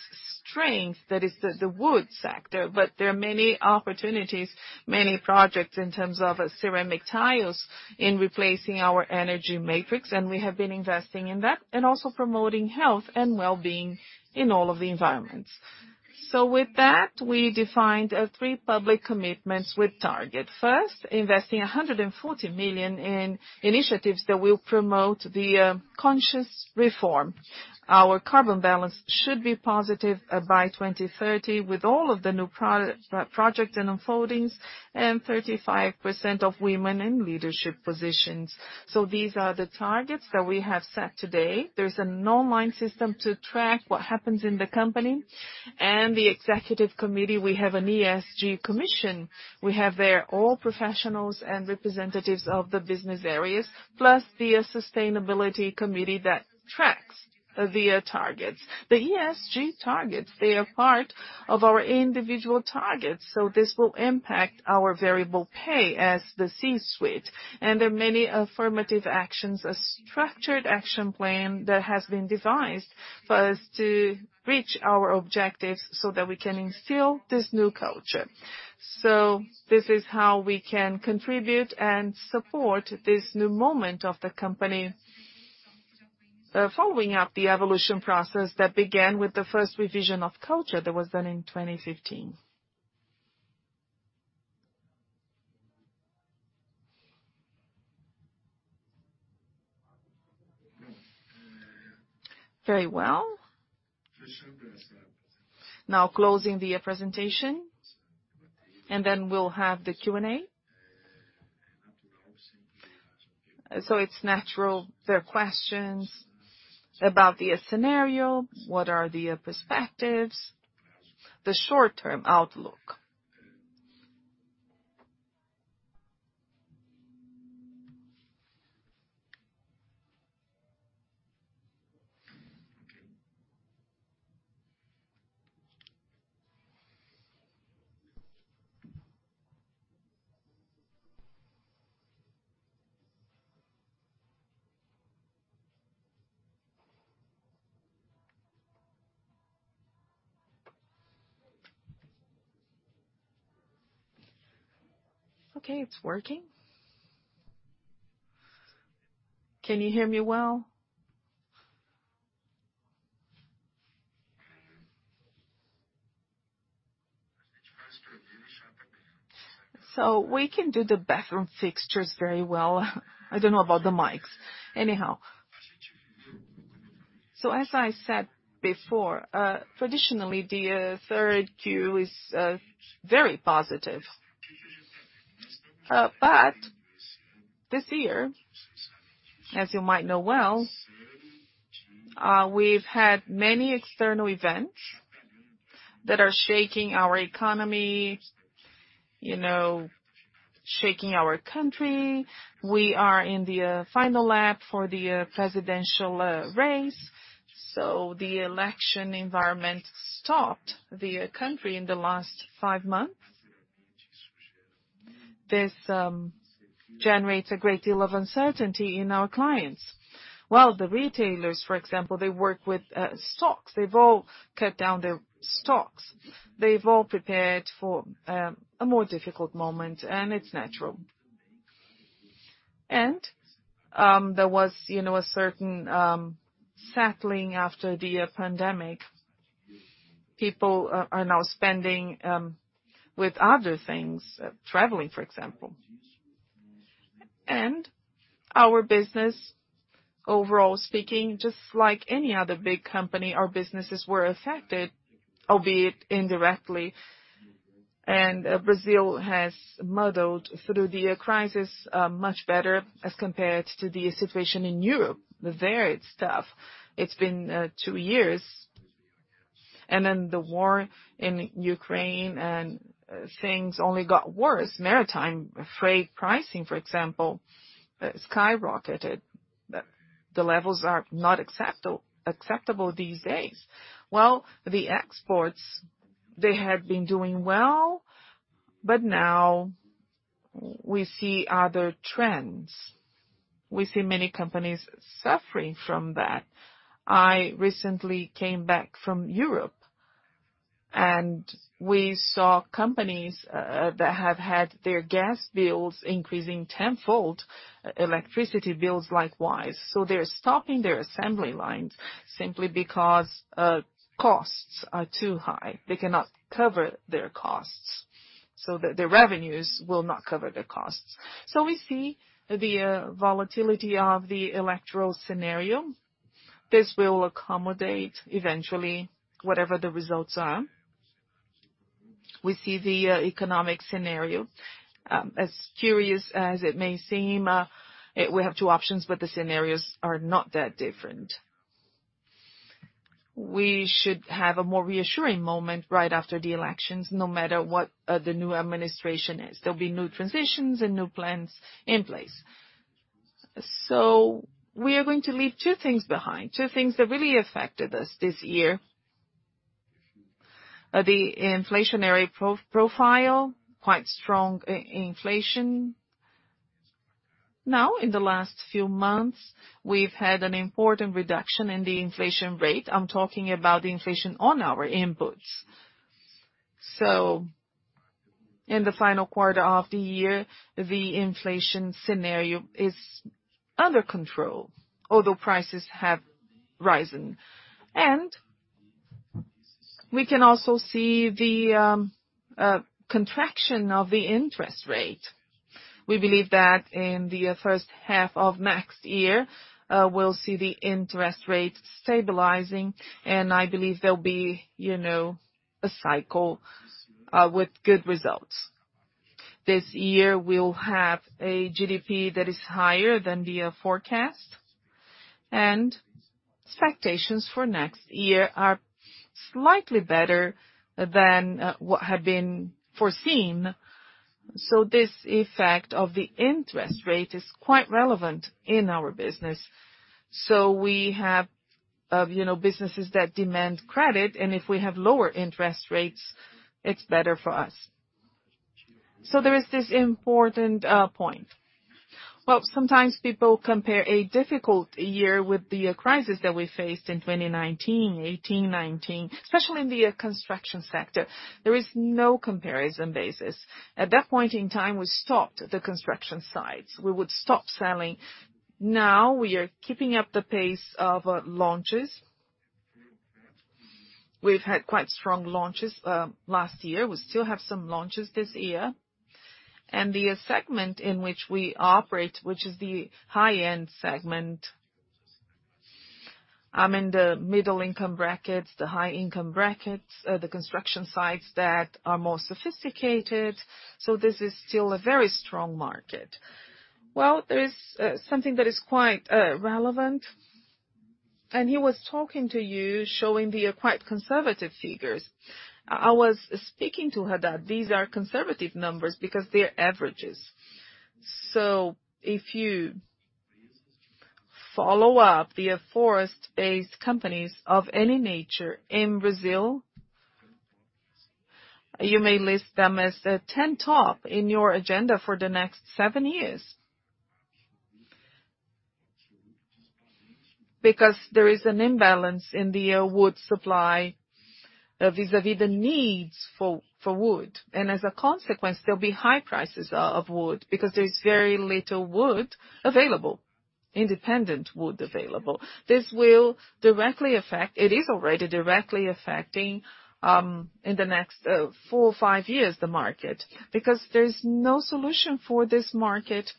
strength that is the wood sector, but there are many opportunities, many projects in terms of ceramic tiles in replacing our energy matrix, and we have been investing in that. Also promoting health and wellbeing in all of the environments. With that, we defined three public commitments with target. First, investing 140 million in initiatives that will promote the conscious reform. Our carbon balance should be positive by 2030 with all of the new projects and unfoldings, and 35% of women in leadership positions. These are the targets that we have set today. There's an online system to track what happens in the company. The executive committee, we have an ESG commission. We have there all professionals and representatives of the business areas, plus the sustainability committee that tracks the targets. The ESG targets, they are part of our individual targets, so this will impact our variable pay as the C-suite. There are many affirmative actions, a structured action plan that has been devised for us to reach our objectives so that we can instill this new culture. This is how we can contribute and support this new moment of the company, following up the evolution process that began with the first revision of culture that was done in 2015. Very well. Now closing the presentation, and then we'll have the Q&A. It's natural there are questions about the scenario, what are the perspectives, the short-term outlook. Okay, it's working. Can you hear me well? We can do the bathroom fixtures very well. I don't know about the mics. Anyhow. As I said before, traditionally, the third Q is very positive. This year, as you might know well, we've had many external events that are shaking our economy, you know, shaking our country. We are in the final lap for the presidential race. The election environment stopped the country in the last five months. This generates a great deal of uncertainty in our clients. While the retailers, for example, they work with stocks, they've all cut down their stocks. They've all prepared for a more difficult moment, and it's natural. There was, you know, a certain settling after the pandemic. People are now spending with other things, traveling, for example. Our business, overall speaking, just like any other big company, our businesses were affected, albeit indirectly. Brazil has muddled through the crisis much better as compared to the situation in Europe. There it's tough. It's been two years. Then the war in Ukraine and things only got worse. Maritime freight pricing, for example, skyrocketed. The levels are not acceptable these days. While the exports, they had been doing well, but now we see other trends. We see many companies suffering from that. I recently came back from Europe. We saw companies that have had their gas bills increasing tenfold, electricity bills likewise. So they're stopping their assembly lines simply because costs are too high. They cannot cover their costs. So the revenues will not cover their costs. So we see the volatility of the electoral scenario. This will accommodate eventually whatever the results are. We see the economic scenario. As curious as it may seem, we have two options, but the scenarios are not that different. We should have a more reassuring moment right after the elections, no matter what the new administration is. There'll be new transitions and new plans in place. We are going to leave two things behind, two things that really affected us this year. The inflationary profile, quite strong inflation. Now, in the last few months, we've had an important reduction in the inflation rate. I'm talking about the inflation on our inputs. In the final quarter of the year, the inflation scenario is under control, although prices have risen. We can also see the contraction of the interest rate. We believe that in the first half of next year, we'll see the interest rate stabilizing, and I believe there'll be, you know, a cycle with good results. This year we'll have a GDP that is higher than the forecast. Expectations for next year are slightly better than what had been foreseen. This effect of the interest rate is quite relevant in our business. We have, you know, businesses that demand credit, and if we have lower interest rates, it's better for us. There is this important point. Well, sometimes people compare a difficult year with the crisis that we faced in 2019, 2018, 2019, especially in the construction sector. There is no comparison basis. At that point in time, we stopped the construction sites. We would stop selling. Now we are keeping up the pace of launches. We've had quite strong launches last year. We still have some launches this year. The segment in which we operate, which is the high-end segment. I'm in the middle income brackets, the high income brackets, the construction sites that are more sophisticated, so this is still a very strong market. Well, there is something that is quite relevant. He was talking to you showing the quite conservative figures. I was speaking to Haddad. These are conservative numbers because they're averages. If you follow up the forest-based companies of any nature in Brazil, you may list them as top ten in your agenda for the next seven years. Because there is an imbalance in the wood supply vis-à-vis the needs for wood. As a consequence, there'll be high prices of wood because there's very little wood available, independent wood available. This will directly affect. It is already directly affecting in the next four years or fiv years, the market because there's no solution for this market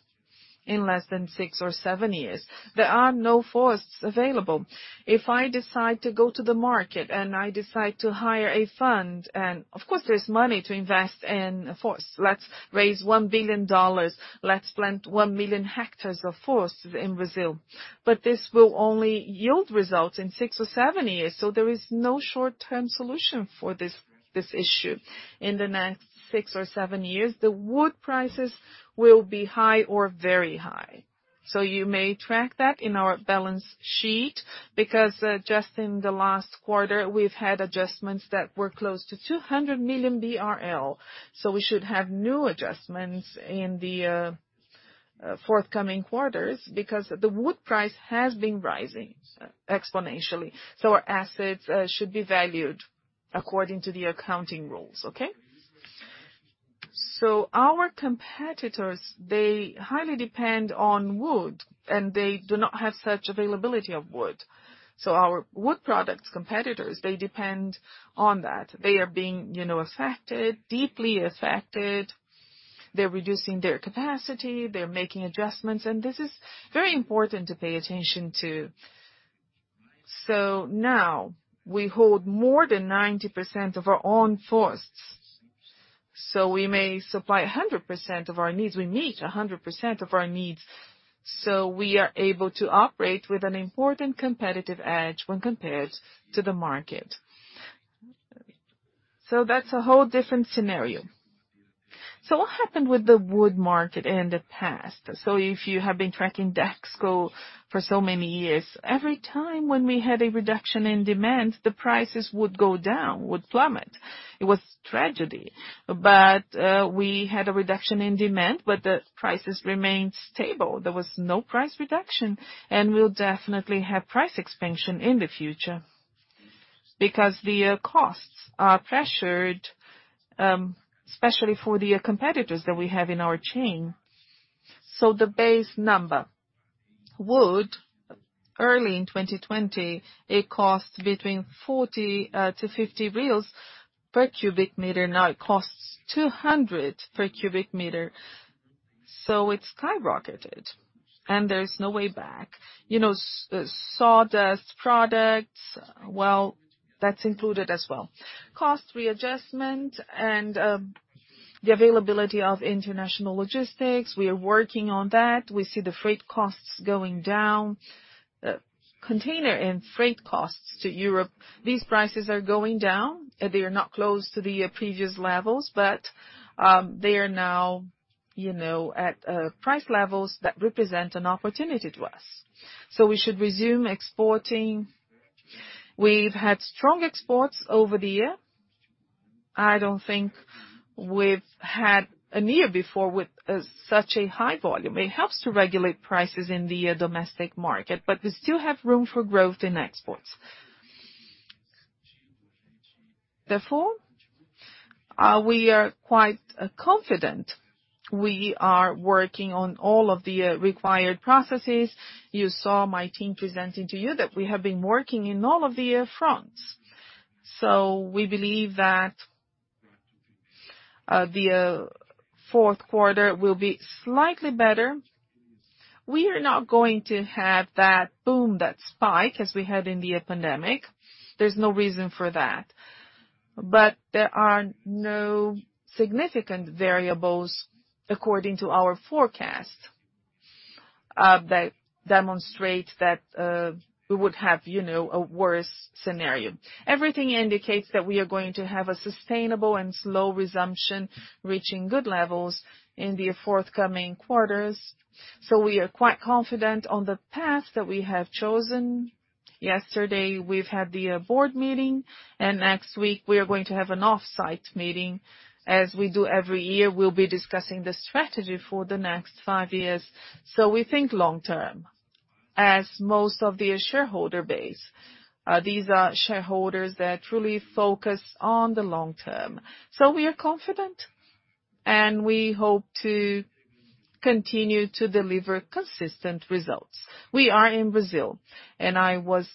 in less than six years or seven years. There are no forests available. If I decide to go to the market and I decide to hire a fund. Of course, there's money to invest in a forest. Let's raise $1 billion. Let's plant 1 million hectares of forest in Brazil. This will only yield results in six years or seven years. There is no short-term solution for this issue. In the next six years or seven years, the wood prices will be high or very high. You may track that in our balance sheet because just in the last quarter, we've had adjustments that were close to 200 million BRL. We should have new adjustments in the forthcoming quarters because the wood price has been rising exponentially. Our assets should be valued according to the accounting rules. Okay. Our competitors, they highly depend on wood, and they do not have such availability of wood. Our wood products competitors, they depend on that. They are being, you know, affected, deeply affected. They're reducing their capacity, they're making adjustments, and this is very important to pay attention to. Now we hold more than 90% of our own forests, so we may supply 100% of our needs. We meet 100% of our needs, so we are able to operate with an important competitive edge when compared to the market. That's a whole different scenario. What happened with the wood market in the past? If you have been tracking Dexco for so many years, every time when we had a reduction in demand, the prices would go down, would plummet. It was tragedy. We had a reduction in demand, but the prices remained stable. There was no price reduction, and we'll definitely have price expansion in the future. The costs are pressured, especially for the competitors that we have in our chain. The base number. Wood, early in 2020, it cost between 40-50 reais per cubic meter. Now it costs 200 per cubic meter. It's skyrocketed and there's no way back. You know, sawdust products, well, that's included as well. Cost readjustment and the availability of international logistics, we are working on that. We see the freight costs going down. Container and freight costs to Europe, these prices are going down. They are not close to the previous levels, but they are now, you know, at price levels that represent an opportunity to us. We should resume exporting. We've had strong exports over the year. I don't think we've had a year before with such a high volume. It helps to regulate prices in the domestic market, but we still have room for growth in exports. Therefore, we are quite confident. We are working on all of the required processes. You saw my team presenting to you that we have been working in all of the fronts. We believe that the fourth quarter will be slightly better. We are not going to have that boom, that spike as we had in the pandemic. There's no reason for that. There are no significant variables according to our forecast that demonstrate that we would have, you know, a worse scenario. Everything indicates that we are going to have a sustainable and slow resumption, reaching good levels in the forthcoming quarters. We are quite confident on the path that we have chosen. Yesterday, we've had the board meeting, and next week we are going to have an off-site meeting. As we do every year, we'll be discussing the strategy for the next five years. We think long-term, as most of the shareholder base. These are shareholders that truly focus on the long-term. We are confident, and we hope to continue to deliver consistent results. We are in Brazil, and I was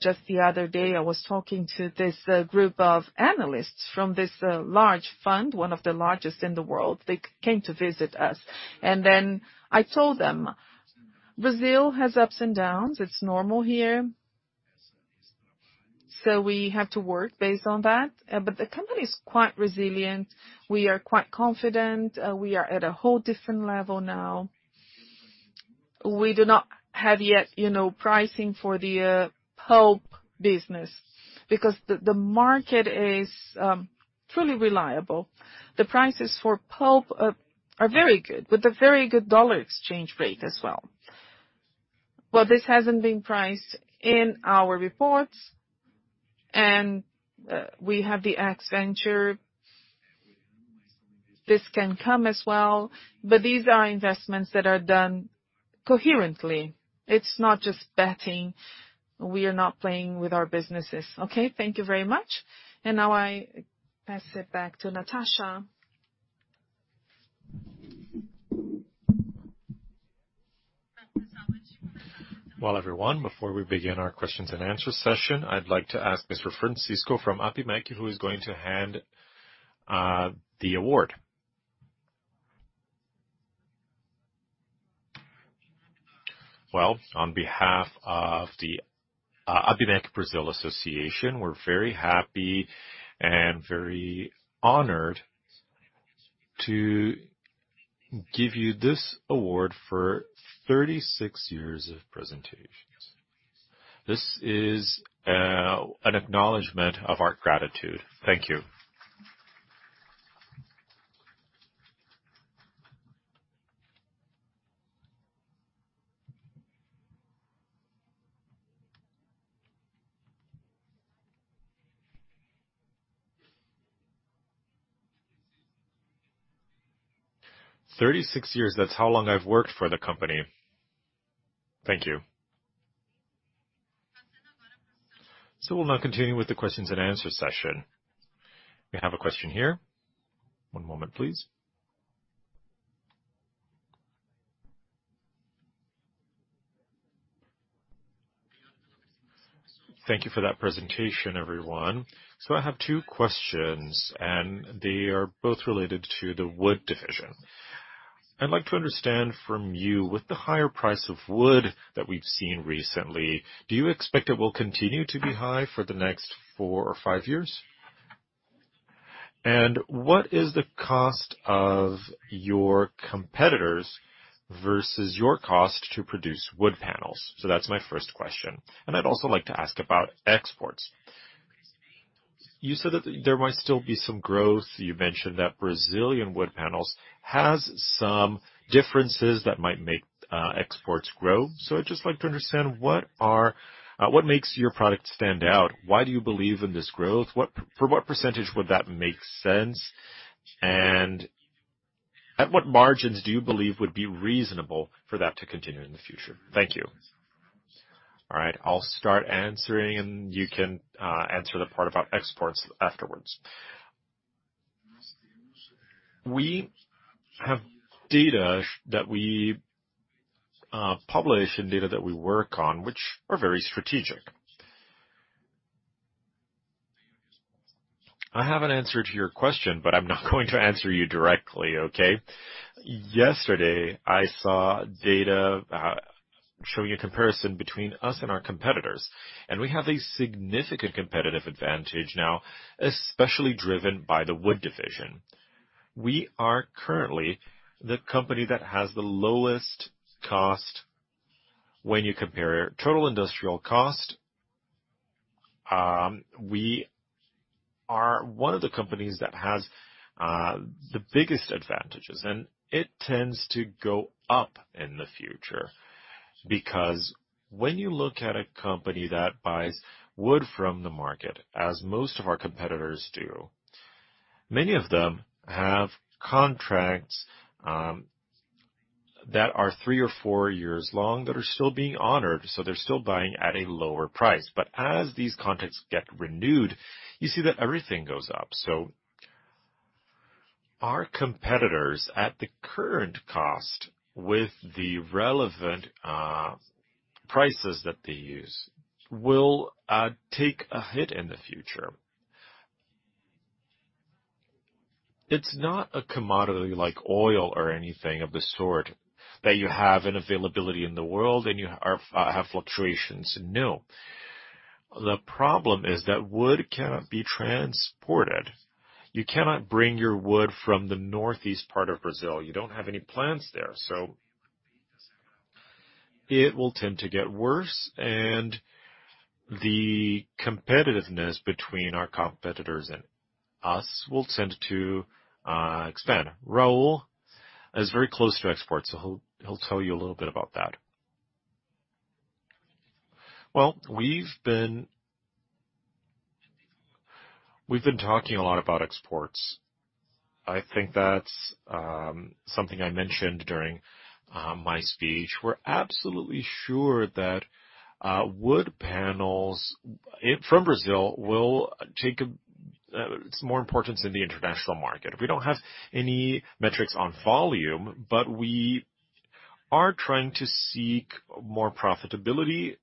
just the other day, I was talking to this group of analysts from this large fund, one of the largest in the world. They came to visit us. Then I told them, "Brazil has ups and downs. It's normal here." We have to work based on that. The company is quite resilient. We are quite confident. We are at a whole different level now. We do not have yet pricing for the pulp business because the market is truly volatile. The prices for pulp are very good, with a very good dollar exchange rate as well. This hasn't been priced in our reports, and we have the advantage. This can come as well, but these are investments that are done coherently. It's not just betting. We are not playing with our businesses. Okay, thank you very much. Now I pass it back to Natasha. Well, everyone, before we begin our questions and answer session, I'd like to ask Mr. Francisco from Abimec who is going to hand the award. Well, on behalf of the Abimec Brazilian Association, we're very happy and very honored to give you this award for 36 years of presentations. This is an acknowledgment of our gratitude. Thank you. 36 years, that's how long I've worked for the company. Thank you. We'll now continue with the questions and answer session. We have a question here. One moment, please. Thank you for that presentation, everyone. I have two questions, and they are both related to the wood division. I'd like to understand from you, with the higher price of wood that we've seen recently, do you expect it will continue to be high for the next four years or five years? What is the cost of your competitors versus your cost to produce wood panels? So that's my first question. I'd also like to ask about exports. You said that there might still be some growth. You mentioned that Brazilian wood panels has some differences that might make exports grow. So I'd just like to understand, what makes your product stand out? Why do you believe in this growth? For what percentage would that make sense? At what margins do you believe would be reasonable for that to continue in the future? Thank you. All right, I'll start answering, and you can answer the part about exports afterwards. We have data that we publish and data that we work on, which are very strategic. I have an answer to your question, but I'm not going to answer you directly, okay? Yesterday, I saw data, showing a comparison between us and our competitors, and we have a significant competitive advantage now, especially driven by the Wood Division. We are currently the company that has the lowest cost when you compare total industrial cost. We are one of the companies that has the biggest advantages, and it tends to go up in the future. Because when you look at a company that buys wood from the market, as most of our competitors do, many of them have contracts, that are three or four years long that are still being honored, so they're still buying at a lower price. As these contracts get renewed, you see that everything goes up. Our competitors at the current cost with the relevant prices that they use will take a hit in the future. It's not a commodity like oil or anything of the sort that you have an availability in the world and you have fluctuations. No. The problem is that wood cannot be transported. You cannot bring your wood from the northeast part of Brazil. You don't have any plants there, so it will tend to get worse, and the competitiveness between our competitors and us will tend to expand. Raul is very close to export, so he'll tell you a little bit about that. Well, we've been talking a lot about exports. I think that's something I mentioned during my speech. We're absolutely sure that wood panels from Brazil will take on some more importance in the international market. We don't have any metrics on volume, but we are trying to seek more profitability,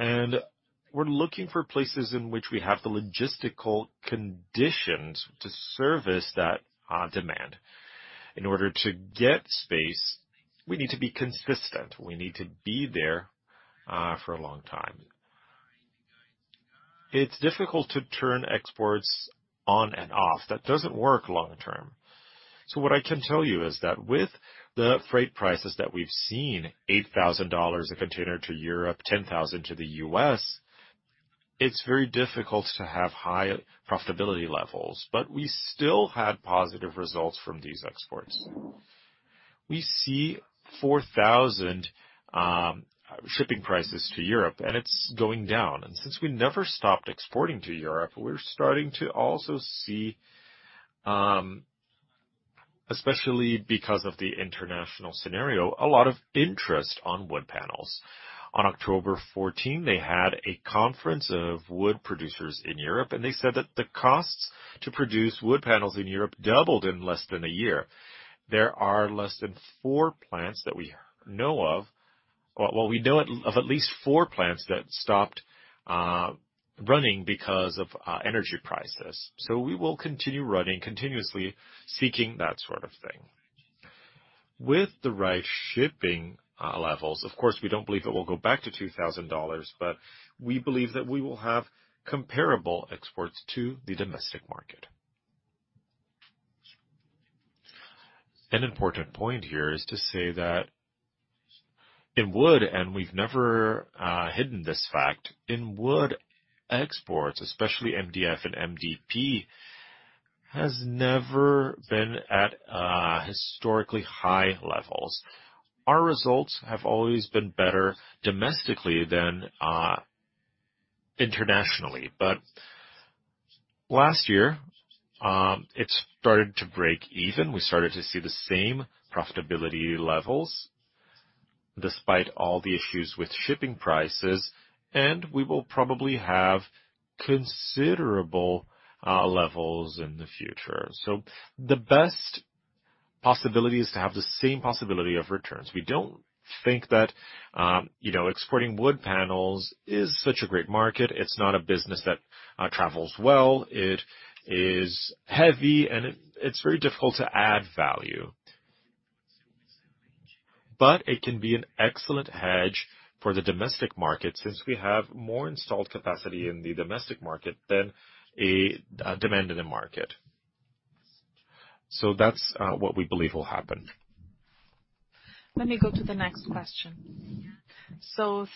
and we're looking for places in which we have the logistical conditions to service that demand. In order to get space, we need to be consistent. We need to be there for a long time. It's difficult to turn exports on and off. That doesn't work long term. What I can tell you is that with the freight prices that we've seen, $8,000 a container - Europe, $10,000 to the US, it's very difficult to have high profitability levels, but we still had positive results from these exports. We see 4,000 shipping prices to Europe, and it's going down. Since we never stopped exporting to Europe, we're starting to also see, especially because of the international scenario, a lot of interest on wood panels. On October 14, they had a conference of wood producers in Europe, and they said that the costs to produce wood panels in Europe doubled in less than a year. There are less than four plants that we know of. Well, we know of at least four plants that stopped running because of energy prices. We will continue running continuously, seeking that sort of thing. With the right shipping levels, of course, we don't believe it will go back to $2,000, but we believe that we will have comparable exports to the domestic market. An important point here is to say that in wood, and we've never hidden this fact, in wood exports, especially MDF and MDP, has never been at historically high levels. Our results have always been better domestically than internationally. Last year, it started to break even. We started to see the same profitability levels despite all the issues with shipping prices, and we will probably have considerable levels in the future. The best possibility is to have the same possibility of returns. We don't think that, you know, exporting wood panels is such a great market. It's not a business that travels well. It is heavy, and it's very difficult to add value. It can be an excellent hedge for the domestic market since we have more installed capacity in the domestic market than a demand in the market. That's what we believe will happen. Let me go to the next question.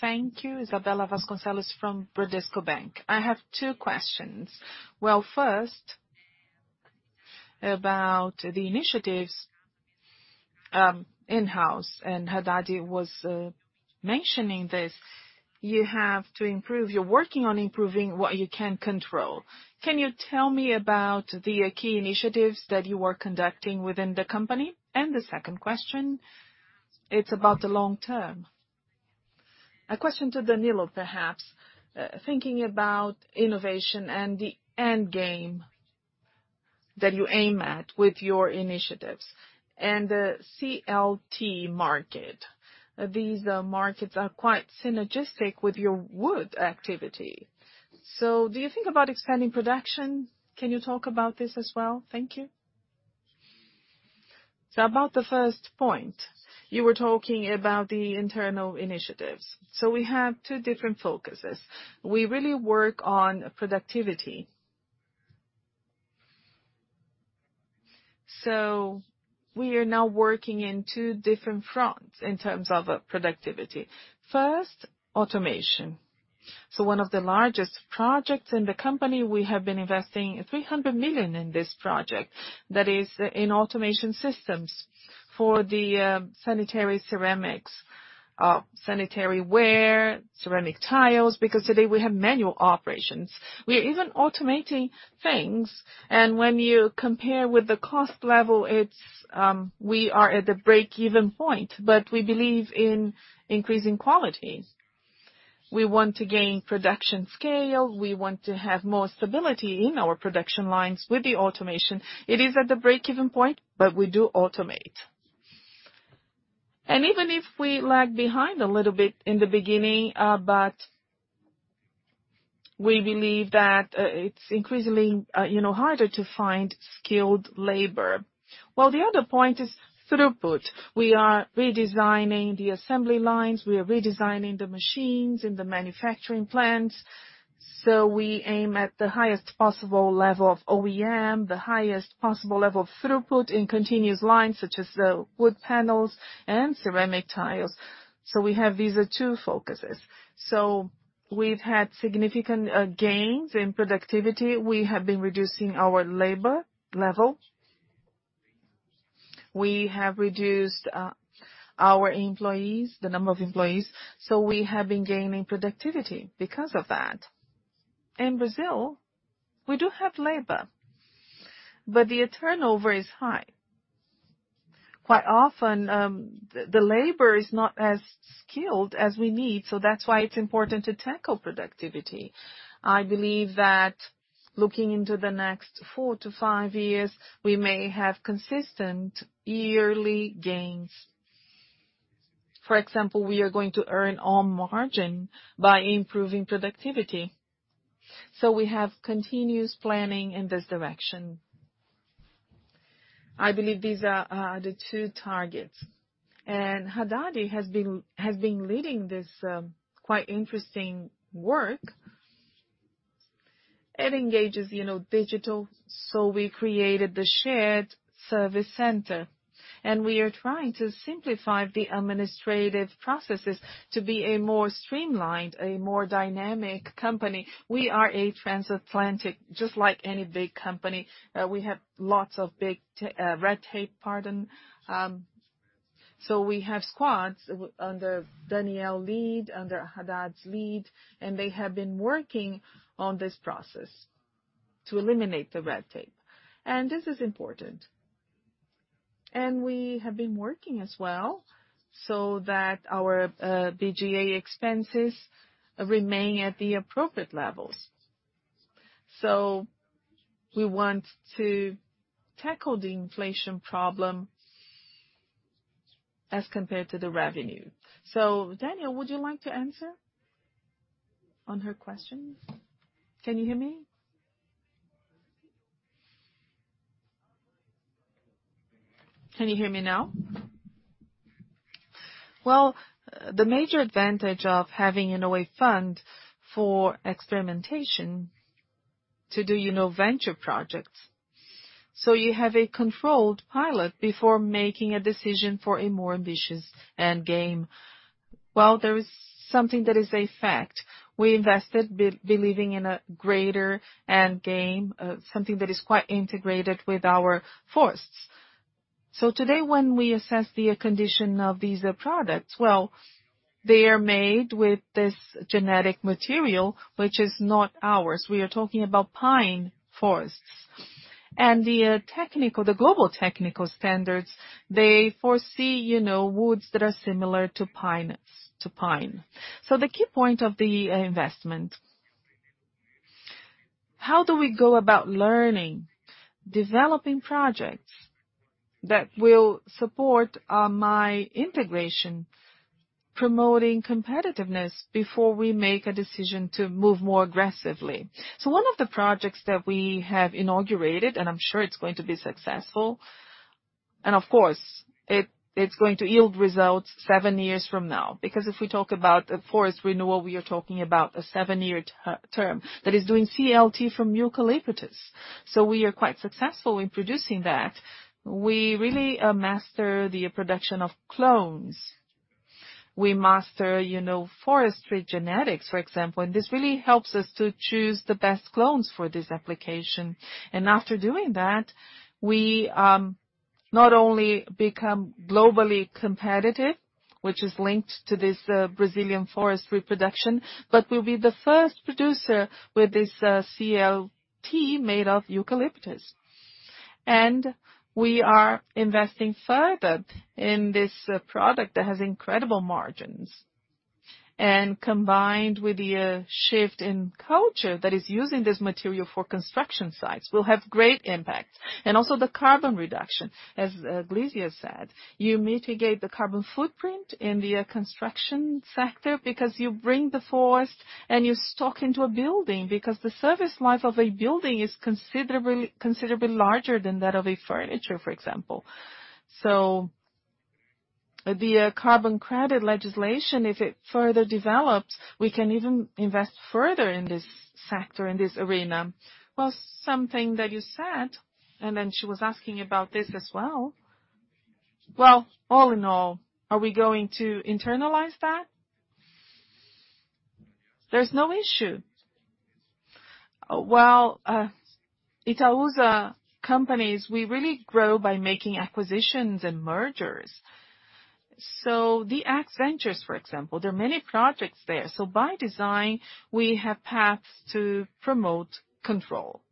Thank you. Isabella Vasconcelos from Bradesco BBI. I have two questions. Well, first, about the initiatives in-house and Haddad was mentioning this. You're working on improving what you can control. Can you tell me about the key initiatives that you are conducting within the company? The second question, it's about the long term. A question to Danilo, perhaps, thinking about innovation and the end game that you aim at with your initiatives and the CLT market. These markets are quite synergistic with your wood activity. Do you think about expanding production? Can you talk about this as well? Thank you. About the first point, you were talking about the internal initiatives. We have two different focuses. We really work on productivity. We are now working in two different fronts in terms of productivity. First, automation. One of the largest projects in the company, we have been investing 300 million in this project. That is in automation systems for the sanitary ceramics, sanitary ware, ceramic tiles, because today we have manual operations. We are even automating things. When you compare with the cost level, it's, we are at the break-even point, but we believe in increasing quality. We want to gain production scale. We want to have more stability in our production lines with the automation. It is at the break-even point, but we do automate. Even if we lag behind a little bit in the beginning, but we believe that it's increasingly you know harder to find skilled labor. Well, the other point is throughput. We are redesigning the assembly lines, we are redesigning the machines in the manufacturing plants. We aim at the highest possible level of OEE, the highest possible level of throughput in continuous lines such as the wood panels and ceramic tiles. We have these two focuses. We've had significant gains in productivity. We have been reducing our labor level. We have reduced our employees, the number of employees, so we have been gaining productivity because of that. In Brazil, we do have labor, but the turnover is high. Quite often, the labor is not as skilled as we need, so that's why it's important to tackle productivity. I believe that looking into the next four to five years, we may have consistent yearly gains. For example, we are going to earn on margin by improving productivity. We have continuous planning in this direction. I believe these are the two targets. Haddad has been leading this quite interesting work. It engages, you know, digital. We created the shared service center, and we are trying to simplify the administrative processes to be a more streamlined, a more dynamic company. We are a transnational just like any big company. We have lots of red tape, pardon. We have squads under Daniel's lead, under Haddad's lead, and they have been working on this process to eliminate the red tape. This is important. We have been working as well so that our SG&A expenses remain at the appropriate levels. We want to tackle the inflation problem as compared to the revenue. Daniel, would you like to answer her questions? Can you hear me? Can you hear me now? Well, the major advantage of having, you know, a fund for experimentation to do, you know, venture projects. You have a controlled pilot before making a decision for a more ambitious end game. Well, there is something that is a fact. We invested believing in a greater end game, something that is quite integrated with our forests. Today, when we assess the condition of these products, well, they are made with this genetic material which is not ours. We are talking about pine forests. The global technical standards, they foresee, you know, woods that are similar to pine. The key point of the investment, how do we go about learning, developing projects that will support my integration, promoting competitiveness before we make a decision to move more aggressively? One of the projects that we have inaugurated, and I'm sure it's going to be successful, and of course, it's going to yield results seven years from now. Because if we talk about a forest renewal, we are talking about a seven-year term that is doing CLT from eucalyptus. We are quite successful in producing that. We really master the production of clones, you know, forestry genetics, for example. This really helps us to choose the best clones for this application. After doing that, we not only become globally competitive, which is linked to this Brazilian forestry production, but we'll be the first producer with this CLT made of eucalyptus. We are investing further in this product that has incredible margins. Combined with the shift in culture that is using this material for construction sites, will have great impact. Also the carbon reduction, as Glízia said. You mitigate the carbon footprint in the construction sector because you bring the forest and you stock into a building because the service life of a building is considerably larger than that of a furniture, for example. The carbon credit legislation, if it further develops, we can even invest further in this sector, in this arena. Well, something that you said, and then she was asking about this as well. Well, all in all, are we going to internalize that? There's no issue. Well, Itaúsa companies, we really grow by making acquisitions and mergers. The DX Ventures, for example, there are many projects there. By design, we have paths to promote control.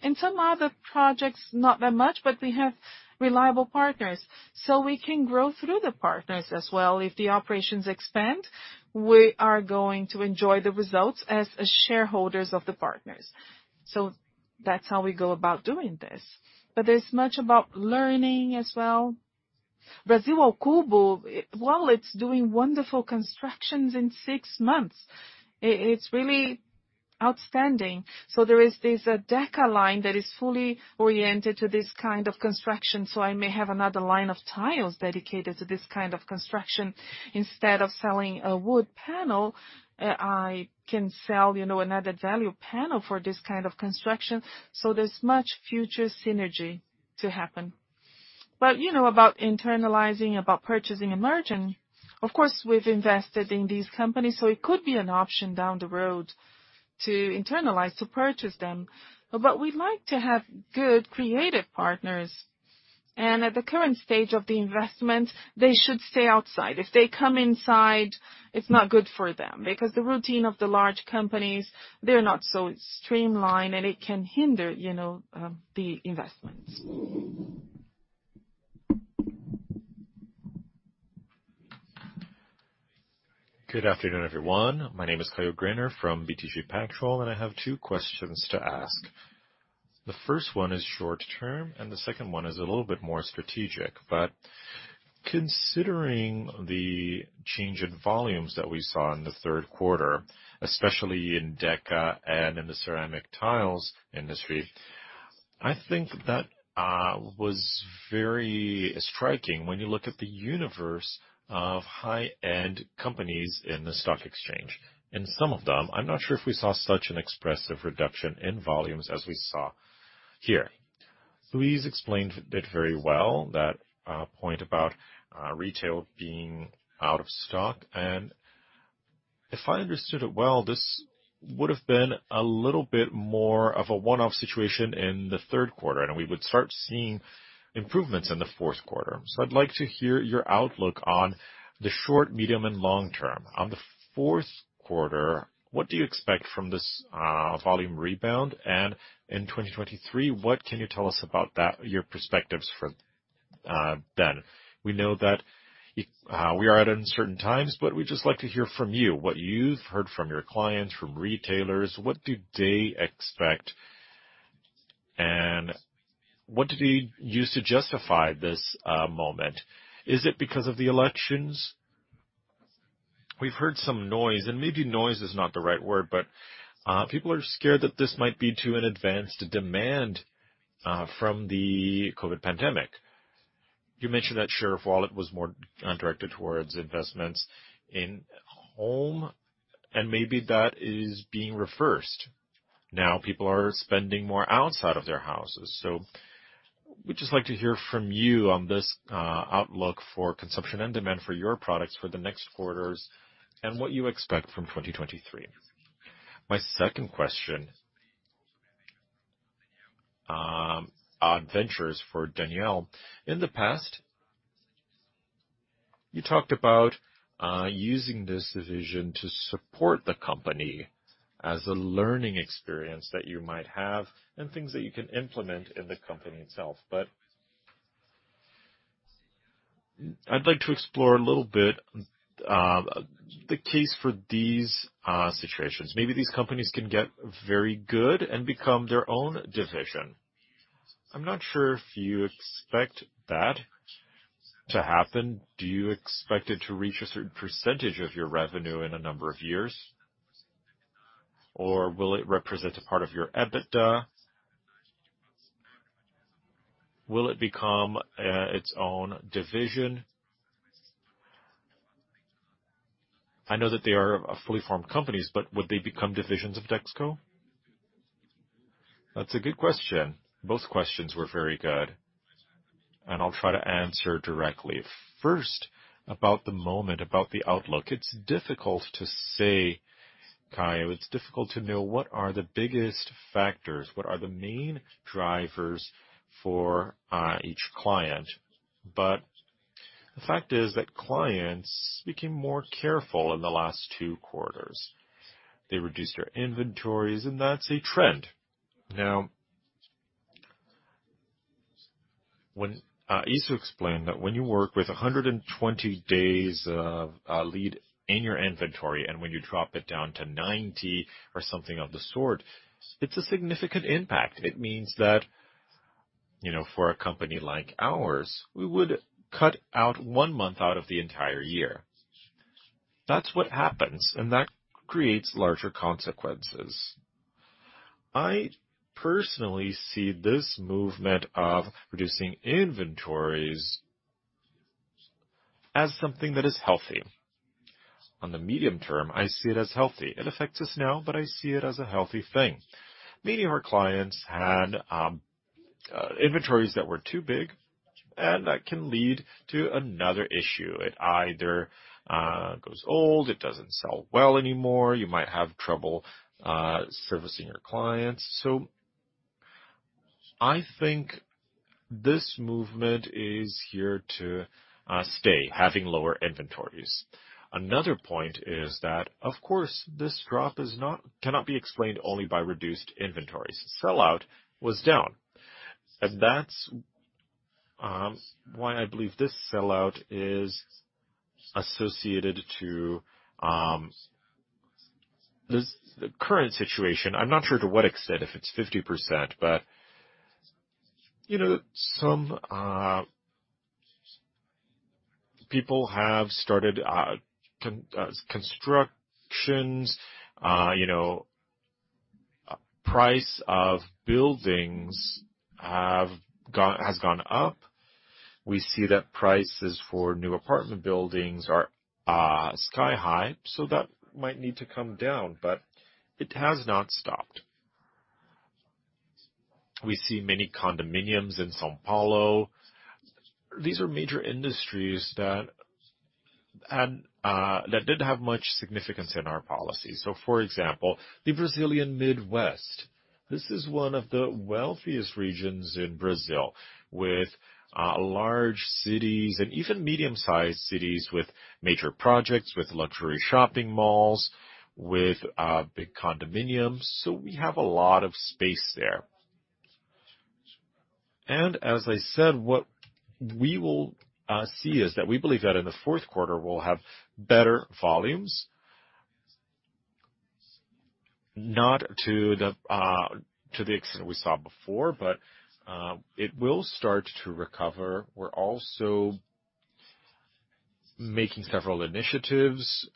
In some other projects, not that much, but we have reliable partners, so we can grow through the partners as well. If the operations expand, we are going to enjoy the results as shareholders of the partners. That's how we go about doing this. There's much about learning as well. Brasil ao Cubo, well, it's doing wonderful constructions in six months. It's really outstanding. There is this Deca line that is fully oriented to this kind of construction. I may have another line of tiles dedicated to this kind of construction. Instead of selling a wood panel, I can sell, you know, another value panel for this kind of construction. There's much future synergy to happen. You know about internalizing, about purchasing and merging. Of course, we've invested in these companies, so it could be an option down the road to internalize, to purchase them. We'd like to have good creative partners. At the current stage of the investment, they should stay outside. If they come inside, it's not good for them because the routine of the large companies, they're not so streamlined, and it can hinder, you know, the investments. Good afternoon, everyone. My name is Caio Greiner from BTG Pactual, and I have two questions to ask. The first one is short-term, and the second one is a little bit more strategic. Considering the change in volumes that we saw in the third quarter, especially in Deca and in the ceramic tiles industry, I think that was very striking when you look at the universe of high-end companies in the stock exchange. In some of them, I'm not sure if we saw such an expressive reduction in volumes as we saw here. Marcelo explained it very well, that point about retail being out of stock. If I understood it well, this would've been a little bit more of a one-off situation in the third quarter, and we would start seeing improvements in the fourth quarter. I'd like to hear your outlook on the short, medium, and long term. On the fourth quarter, what do you expect from this volume rebound? In 2023, what can you tell us about that, your perspectives for then? We know that we are at uncertain times, but we'd just like to hear from you what you've heard from your clients, from retailers, what do they expect, and what do they use to justify this moment? Is it because of the elections? We've heard some noise, and maybe noise is not the right word, but people are scared that this might be pulled-forward demand from the COVID pandemic. You mentioned that share of wallet was more directed towards investments in the home, and maybe that is being reversed. Now people are spending more outside of their houses. We'd just like to hear from you on this, outlook for consumption and demand for your products for the next quarters and what you expect from 2023. My second question, on ventures for Daniel de Oliveira. In the past, you talked about using this division to support the company as a learning experience that you might have and things that you can implement in the company itself. I'd like to explore a little bit, the case for these situations. Maybe these companies can get very good and become their own division. I'm not sure if you expect that to happen. Do you expect it to reach a certain percentage of your revenue in a number of years? Or will it represent a part of your EBITDA? Will it become its own division? I know that they are fully formed companies, but would they become divisions of Dexco? That's a good question. Both questions were very good, and I'll try to answer directly. First, about the moment, about the outlook. It's difficult to say, Caio, it's difficult to know what are the biggest factors, what are the main drivers for each client. The fact is that clients became more careful in the last two quarters. They reduced their inventories, and that's a trend. Now, when Iso explained that when you work with 120 days of lead time in your inventory, and when you drop it down to 90 or something of the sort, it's a significant impact. It means that, you know, for a company like ours, we would cut out one month out of the entire year. That's what happens, and that creates larger consequences. I personally see this movement of reducing inventories as something that is healthy. On the medium term, I see it as healthy. It affects us now, but I see it as a healthy thing. Meaning our clients had inventories that were too big, and that can lead to another issue. It either goes old, it doesn't sell well anymore. You might have trouble servicing your clients. I think this movement is here to stay, having lower inventories. Another point is that, of course, this drop cannot be explained only by reduced inventories. Sellout was down, and that's why I believe this sellout is associated to the current situation. I'm not sure to what extent, if it's 50%, but you know, some people have started constructions, you know, price of buildings has gone up. We see that prices for new apartment buildings are sky high, so that might need to come down, but it has not stopped. We see many condominiums in São Paulo. These are major industries that didn't have much significance in our policy. For example, the Brazilian Midwest, this is one of the wealthiest regions in Brazil, with large cities and even medium-sized cities, with major projects, with luxury shopping malls, with big condominiums. We have a lot of space there. As I said, what we will see is that we believe that in the fourth quarter, we'll have better volumes. Not to the extent we saw before, but it will start to recover. We're also making several initiatives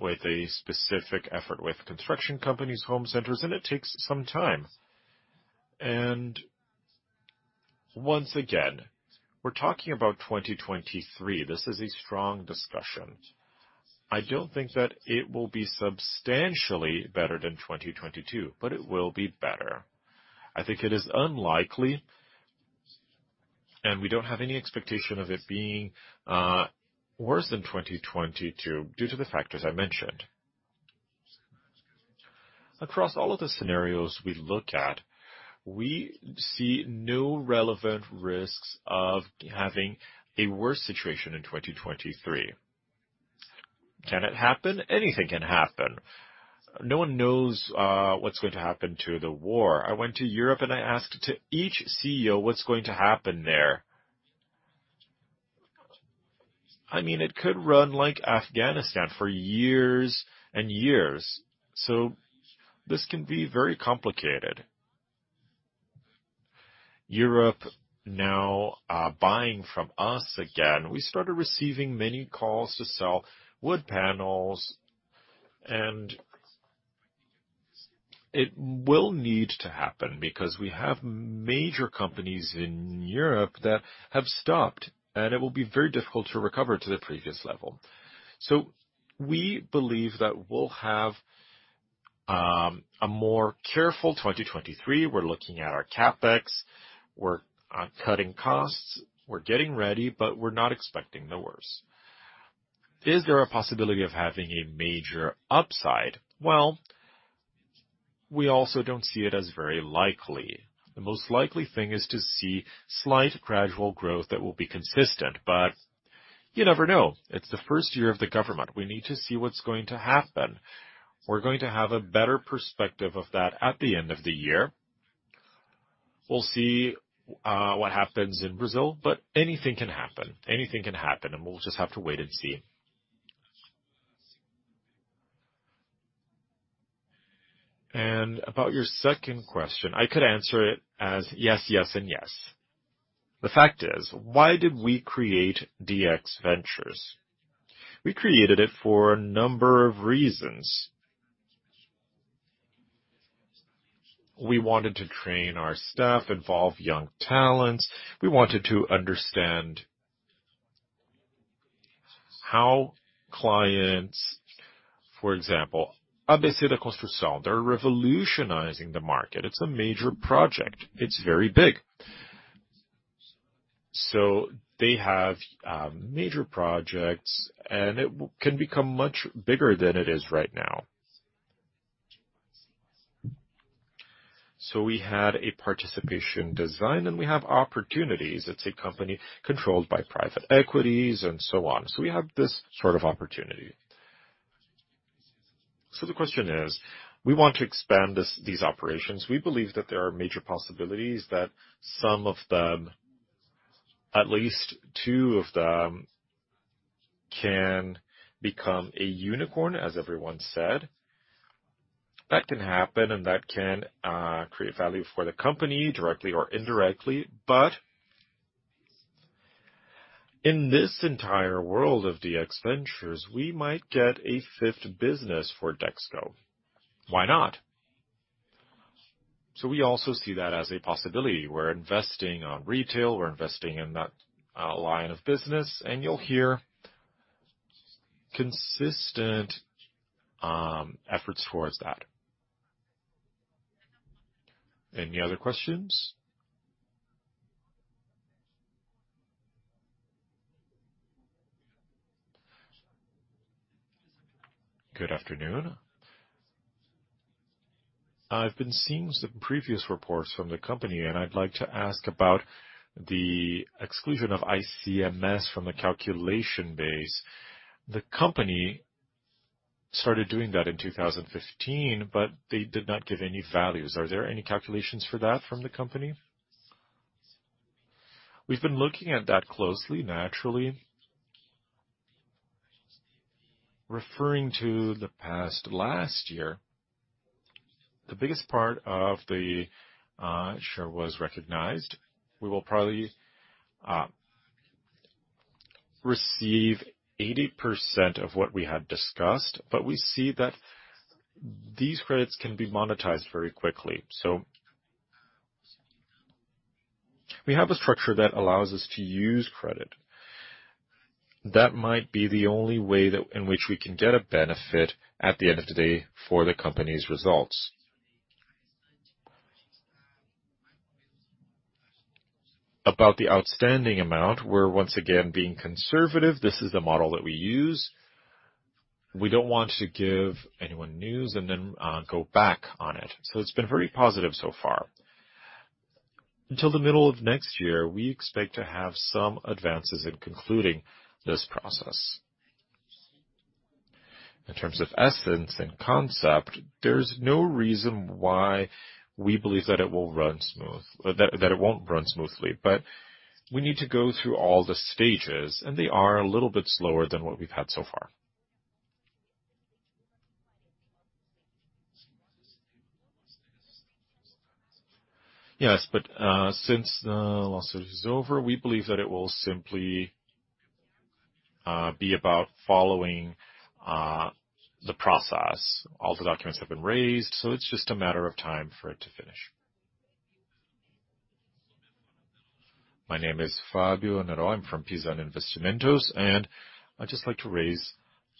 with a specific effort with construction companies, home centers, and it takes some time. Once again, we're talking about 2023. This is a strong discussion. I don't think that it will be substantially better than 2022, but it will be better. I think it is unlikely, and we don't have any expectation of it being worse than 2022 due to the factors I mentioned. Across all of the scenarios we look at, we see no relevant risks of having a worse situation in 2023. Can it happen? Anything can happen. No one knows what's going to happen to the war. I went to Europe and I asked to each CEO what's going to happen there. I mean, it could run like Afghanistan for years and years. This can be very complicated. Europe now are buying from us again. We started receiving many calls to sell wood panels, and it will need to happen because we have major companies in Europe that have stopped, and it will be very difficult to recover to the previous level. We believe that we'll have a more careful 2023. We're looking at our CapEx. We're cutting costs. We're getting ready, but we're not expecting the worst. Is there a possibility of having a major upside? Well, we also don't see it as very likely. The most likely thing is to see slight gradual growth that will be consistent, but you never know. It's the first year of the government. We need to see what's going to happen. We're going to have a better perspective of that at the end of the year. We'll see what happens in Brazil, but anything can happen. Anything can happen, and we'll just have to wait and see. About your second question, I could answer it as yes and yes. The fact is, why did we create DX Ventures? We created it for a number of reasons. We wanted to train our staff, involve young talents. We wanted to understand how clients, for example, ABC da Construção, they're revolutionizing the market. It's a major project. It's very big. So they have major projects, and it can become much bigger than it is right now. So we had a participation design, and we have opportunities. It's a company controlled by private equity and so on. So we have this sort of opportunity. The question is, we want to expand this, these operations. We believe that there are major possibilities that some of them, at least two of them, can become a unicorn, as everyone said. That can happen, and that can create value for the company directly or indirectly. In this entire world of DX Ventures, we might get a fifth business for Dexco. Why not? We also see that as a possibility. We're investing on retail, we're investing in that line of business, and you'll hear consistent efforts towards that. Any other questions? Good afternoon. I've been seeing the previous reports from the company, and I'd like to ask about the exclusion of ICMS from the calculation base. The company started doing that in 2015, but they did not give any values. Are there any calculations for that from the company? We've been looking at that closely, naturally. Referring to the past last year, the biggest part of the share was recognized. We will probably receive 80% of what we had discussed, but we see that these credits can be monetized very quickly. We have a structure that allows us to use credit. That might be the only way in which we can get a benefit at the end of the day for the company's results. About the outstanding amount, we're once again being conservative. This is the model that we use. We don't want to give anyone news and then go back on it. It's been very positive so far. Until the middle of next year, we expect to have some advances in concluding this process. In terms of essence and concept, there's no reason why we believe that it won't run smoothly. We need to go through all the stages, and they are a little bit slower than what we've had so far. Yes, but since the lawsuit is over, we believe that it will simply be about following the process. All the documents have been raised, so it's just a matter of time for it to finish. My name is Fábio Nerio. I'm from Pison Investimentos, and I'd just like to raise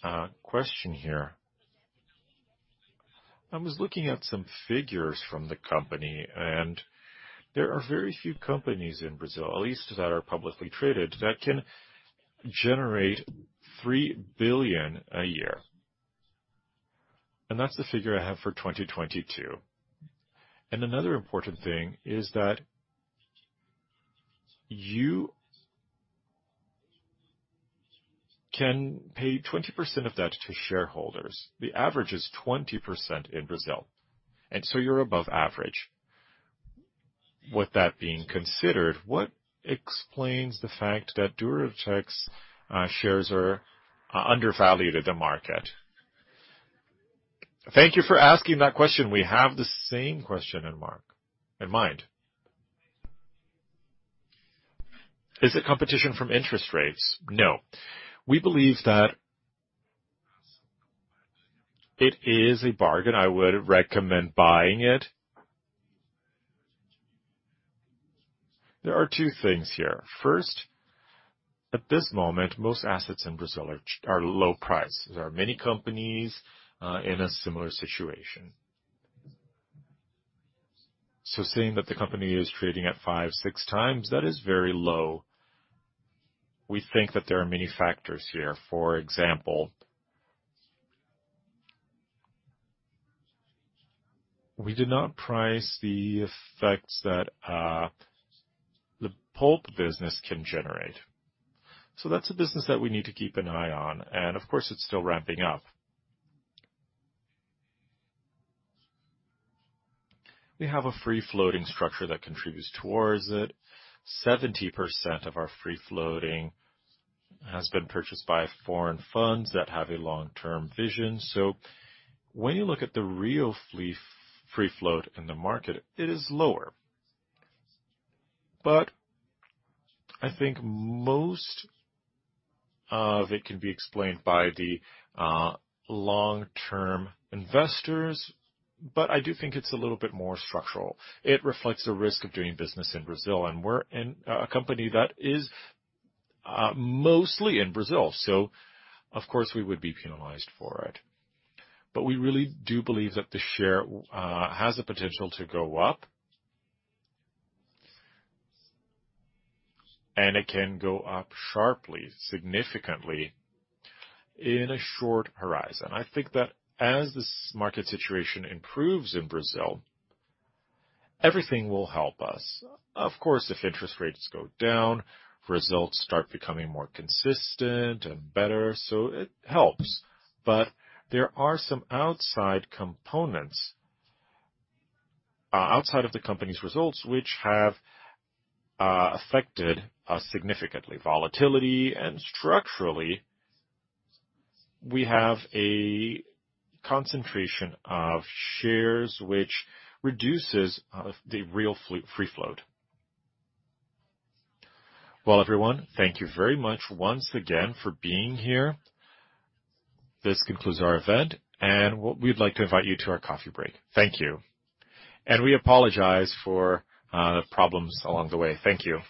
a question here. I was looking at some figures from the company, and there are very few companies in Brazil, at least that are publicly traded, that can generate 3 billion a year. That's the figure I have for 2022. Another important thing is that you can pay 20% of that to shareholders. The average is 20% in Brazil, and so you're above average. With that being considered, what explains the fact that Duratex shares are undervalued at the market? Thank you for asking that question. We have the same question in mind. Is it competition from interest rates? No. We believe that it is a bargain. I would recommend buying it. There are two things here. First, at this moment, most assets in Brazil are low price. There are many companies in a similar situation. Seeing that the company is trading at 5x, 6x, that is very low. We think that there are many factors here. For example, we did not price the effects that the pulp business can generate. That's a business that we need to keep an eye on, and of course, it's still ramping up. We have a free float structure that contributes towards it. 70% of our free float has been purchased by foreign funds that have a long-term vision. When you look at the real free float in the market, it is lower. I think most of it can be explained by the long-term investors, but I do think it's a little bit more structural. It reflects the risk of doing business in Brazil, and we're a company that is mostly in Brazil, so of course, we would be penalized for it. We really do believe that the share has the potential to go up, and it can go up sharply, significantly in a short horizon. I think that as this market situation improves in Brazil, everything will help us. Of course, if interest rates go down, results start becoming more consistent and better, so it helps. But there are some outside components outside of the company's results, which have affected us significantly. Volatility and structurally, we have a concentration of shares which reduces the real free float. Well, everyone, thank you very much once again for being here. This concludes our event, and we'd like to invite you to our coffee break. Thank you. We apologize for the problems along the way. Thank you.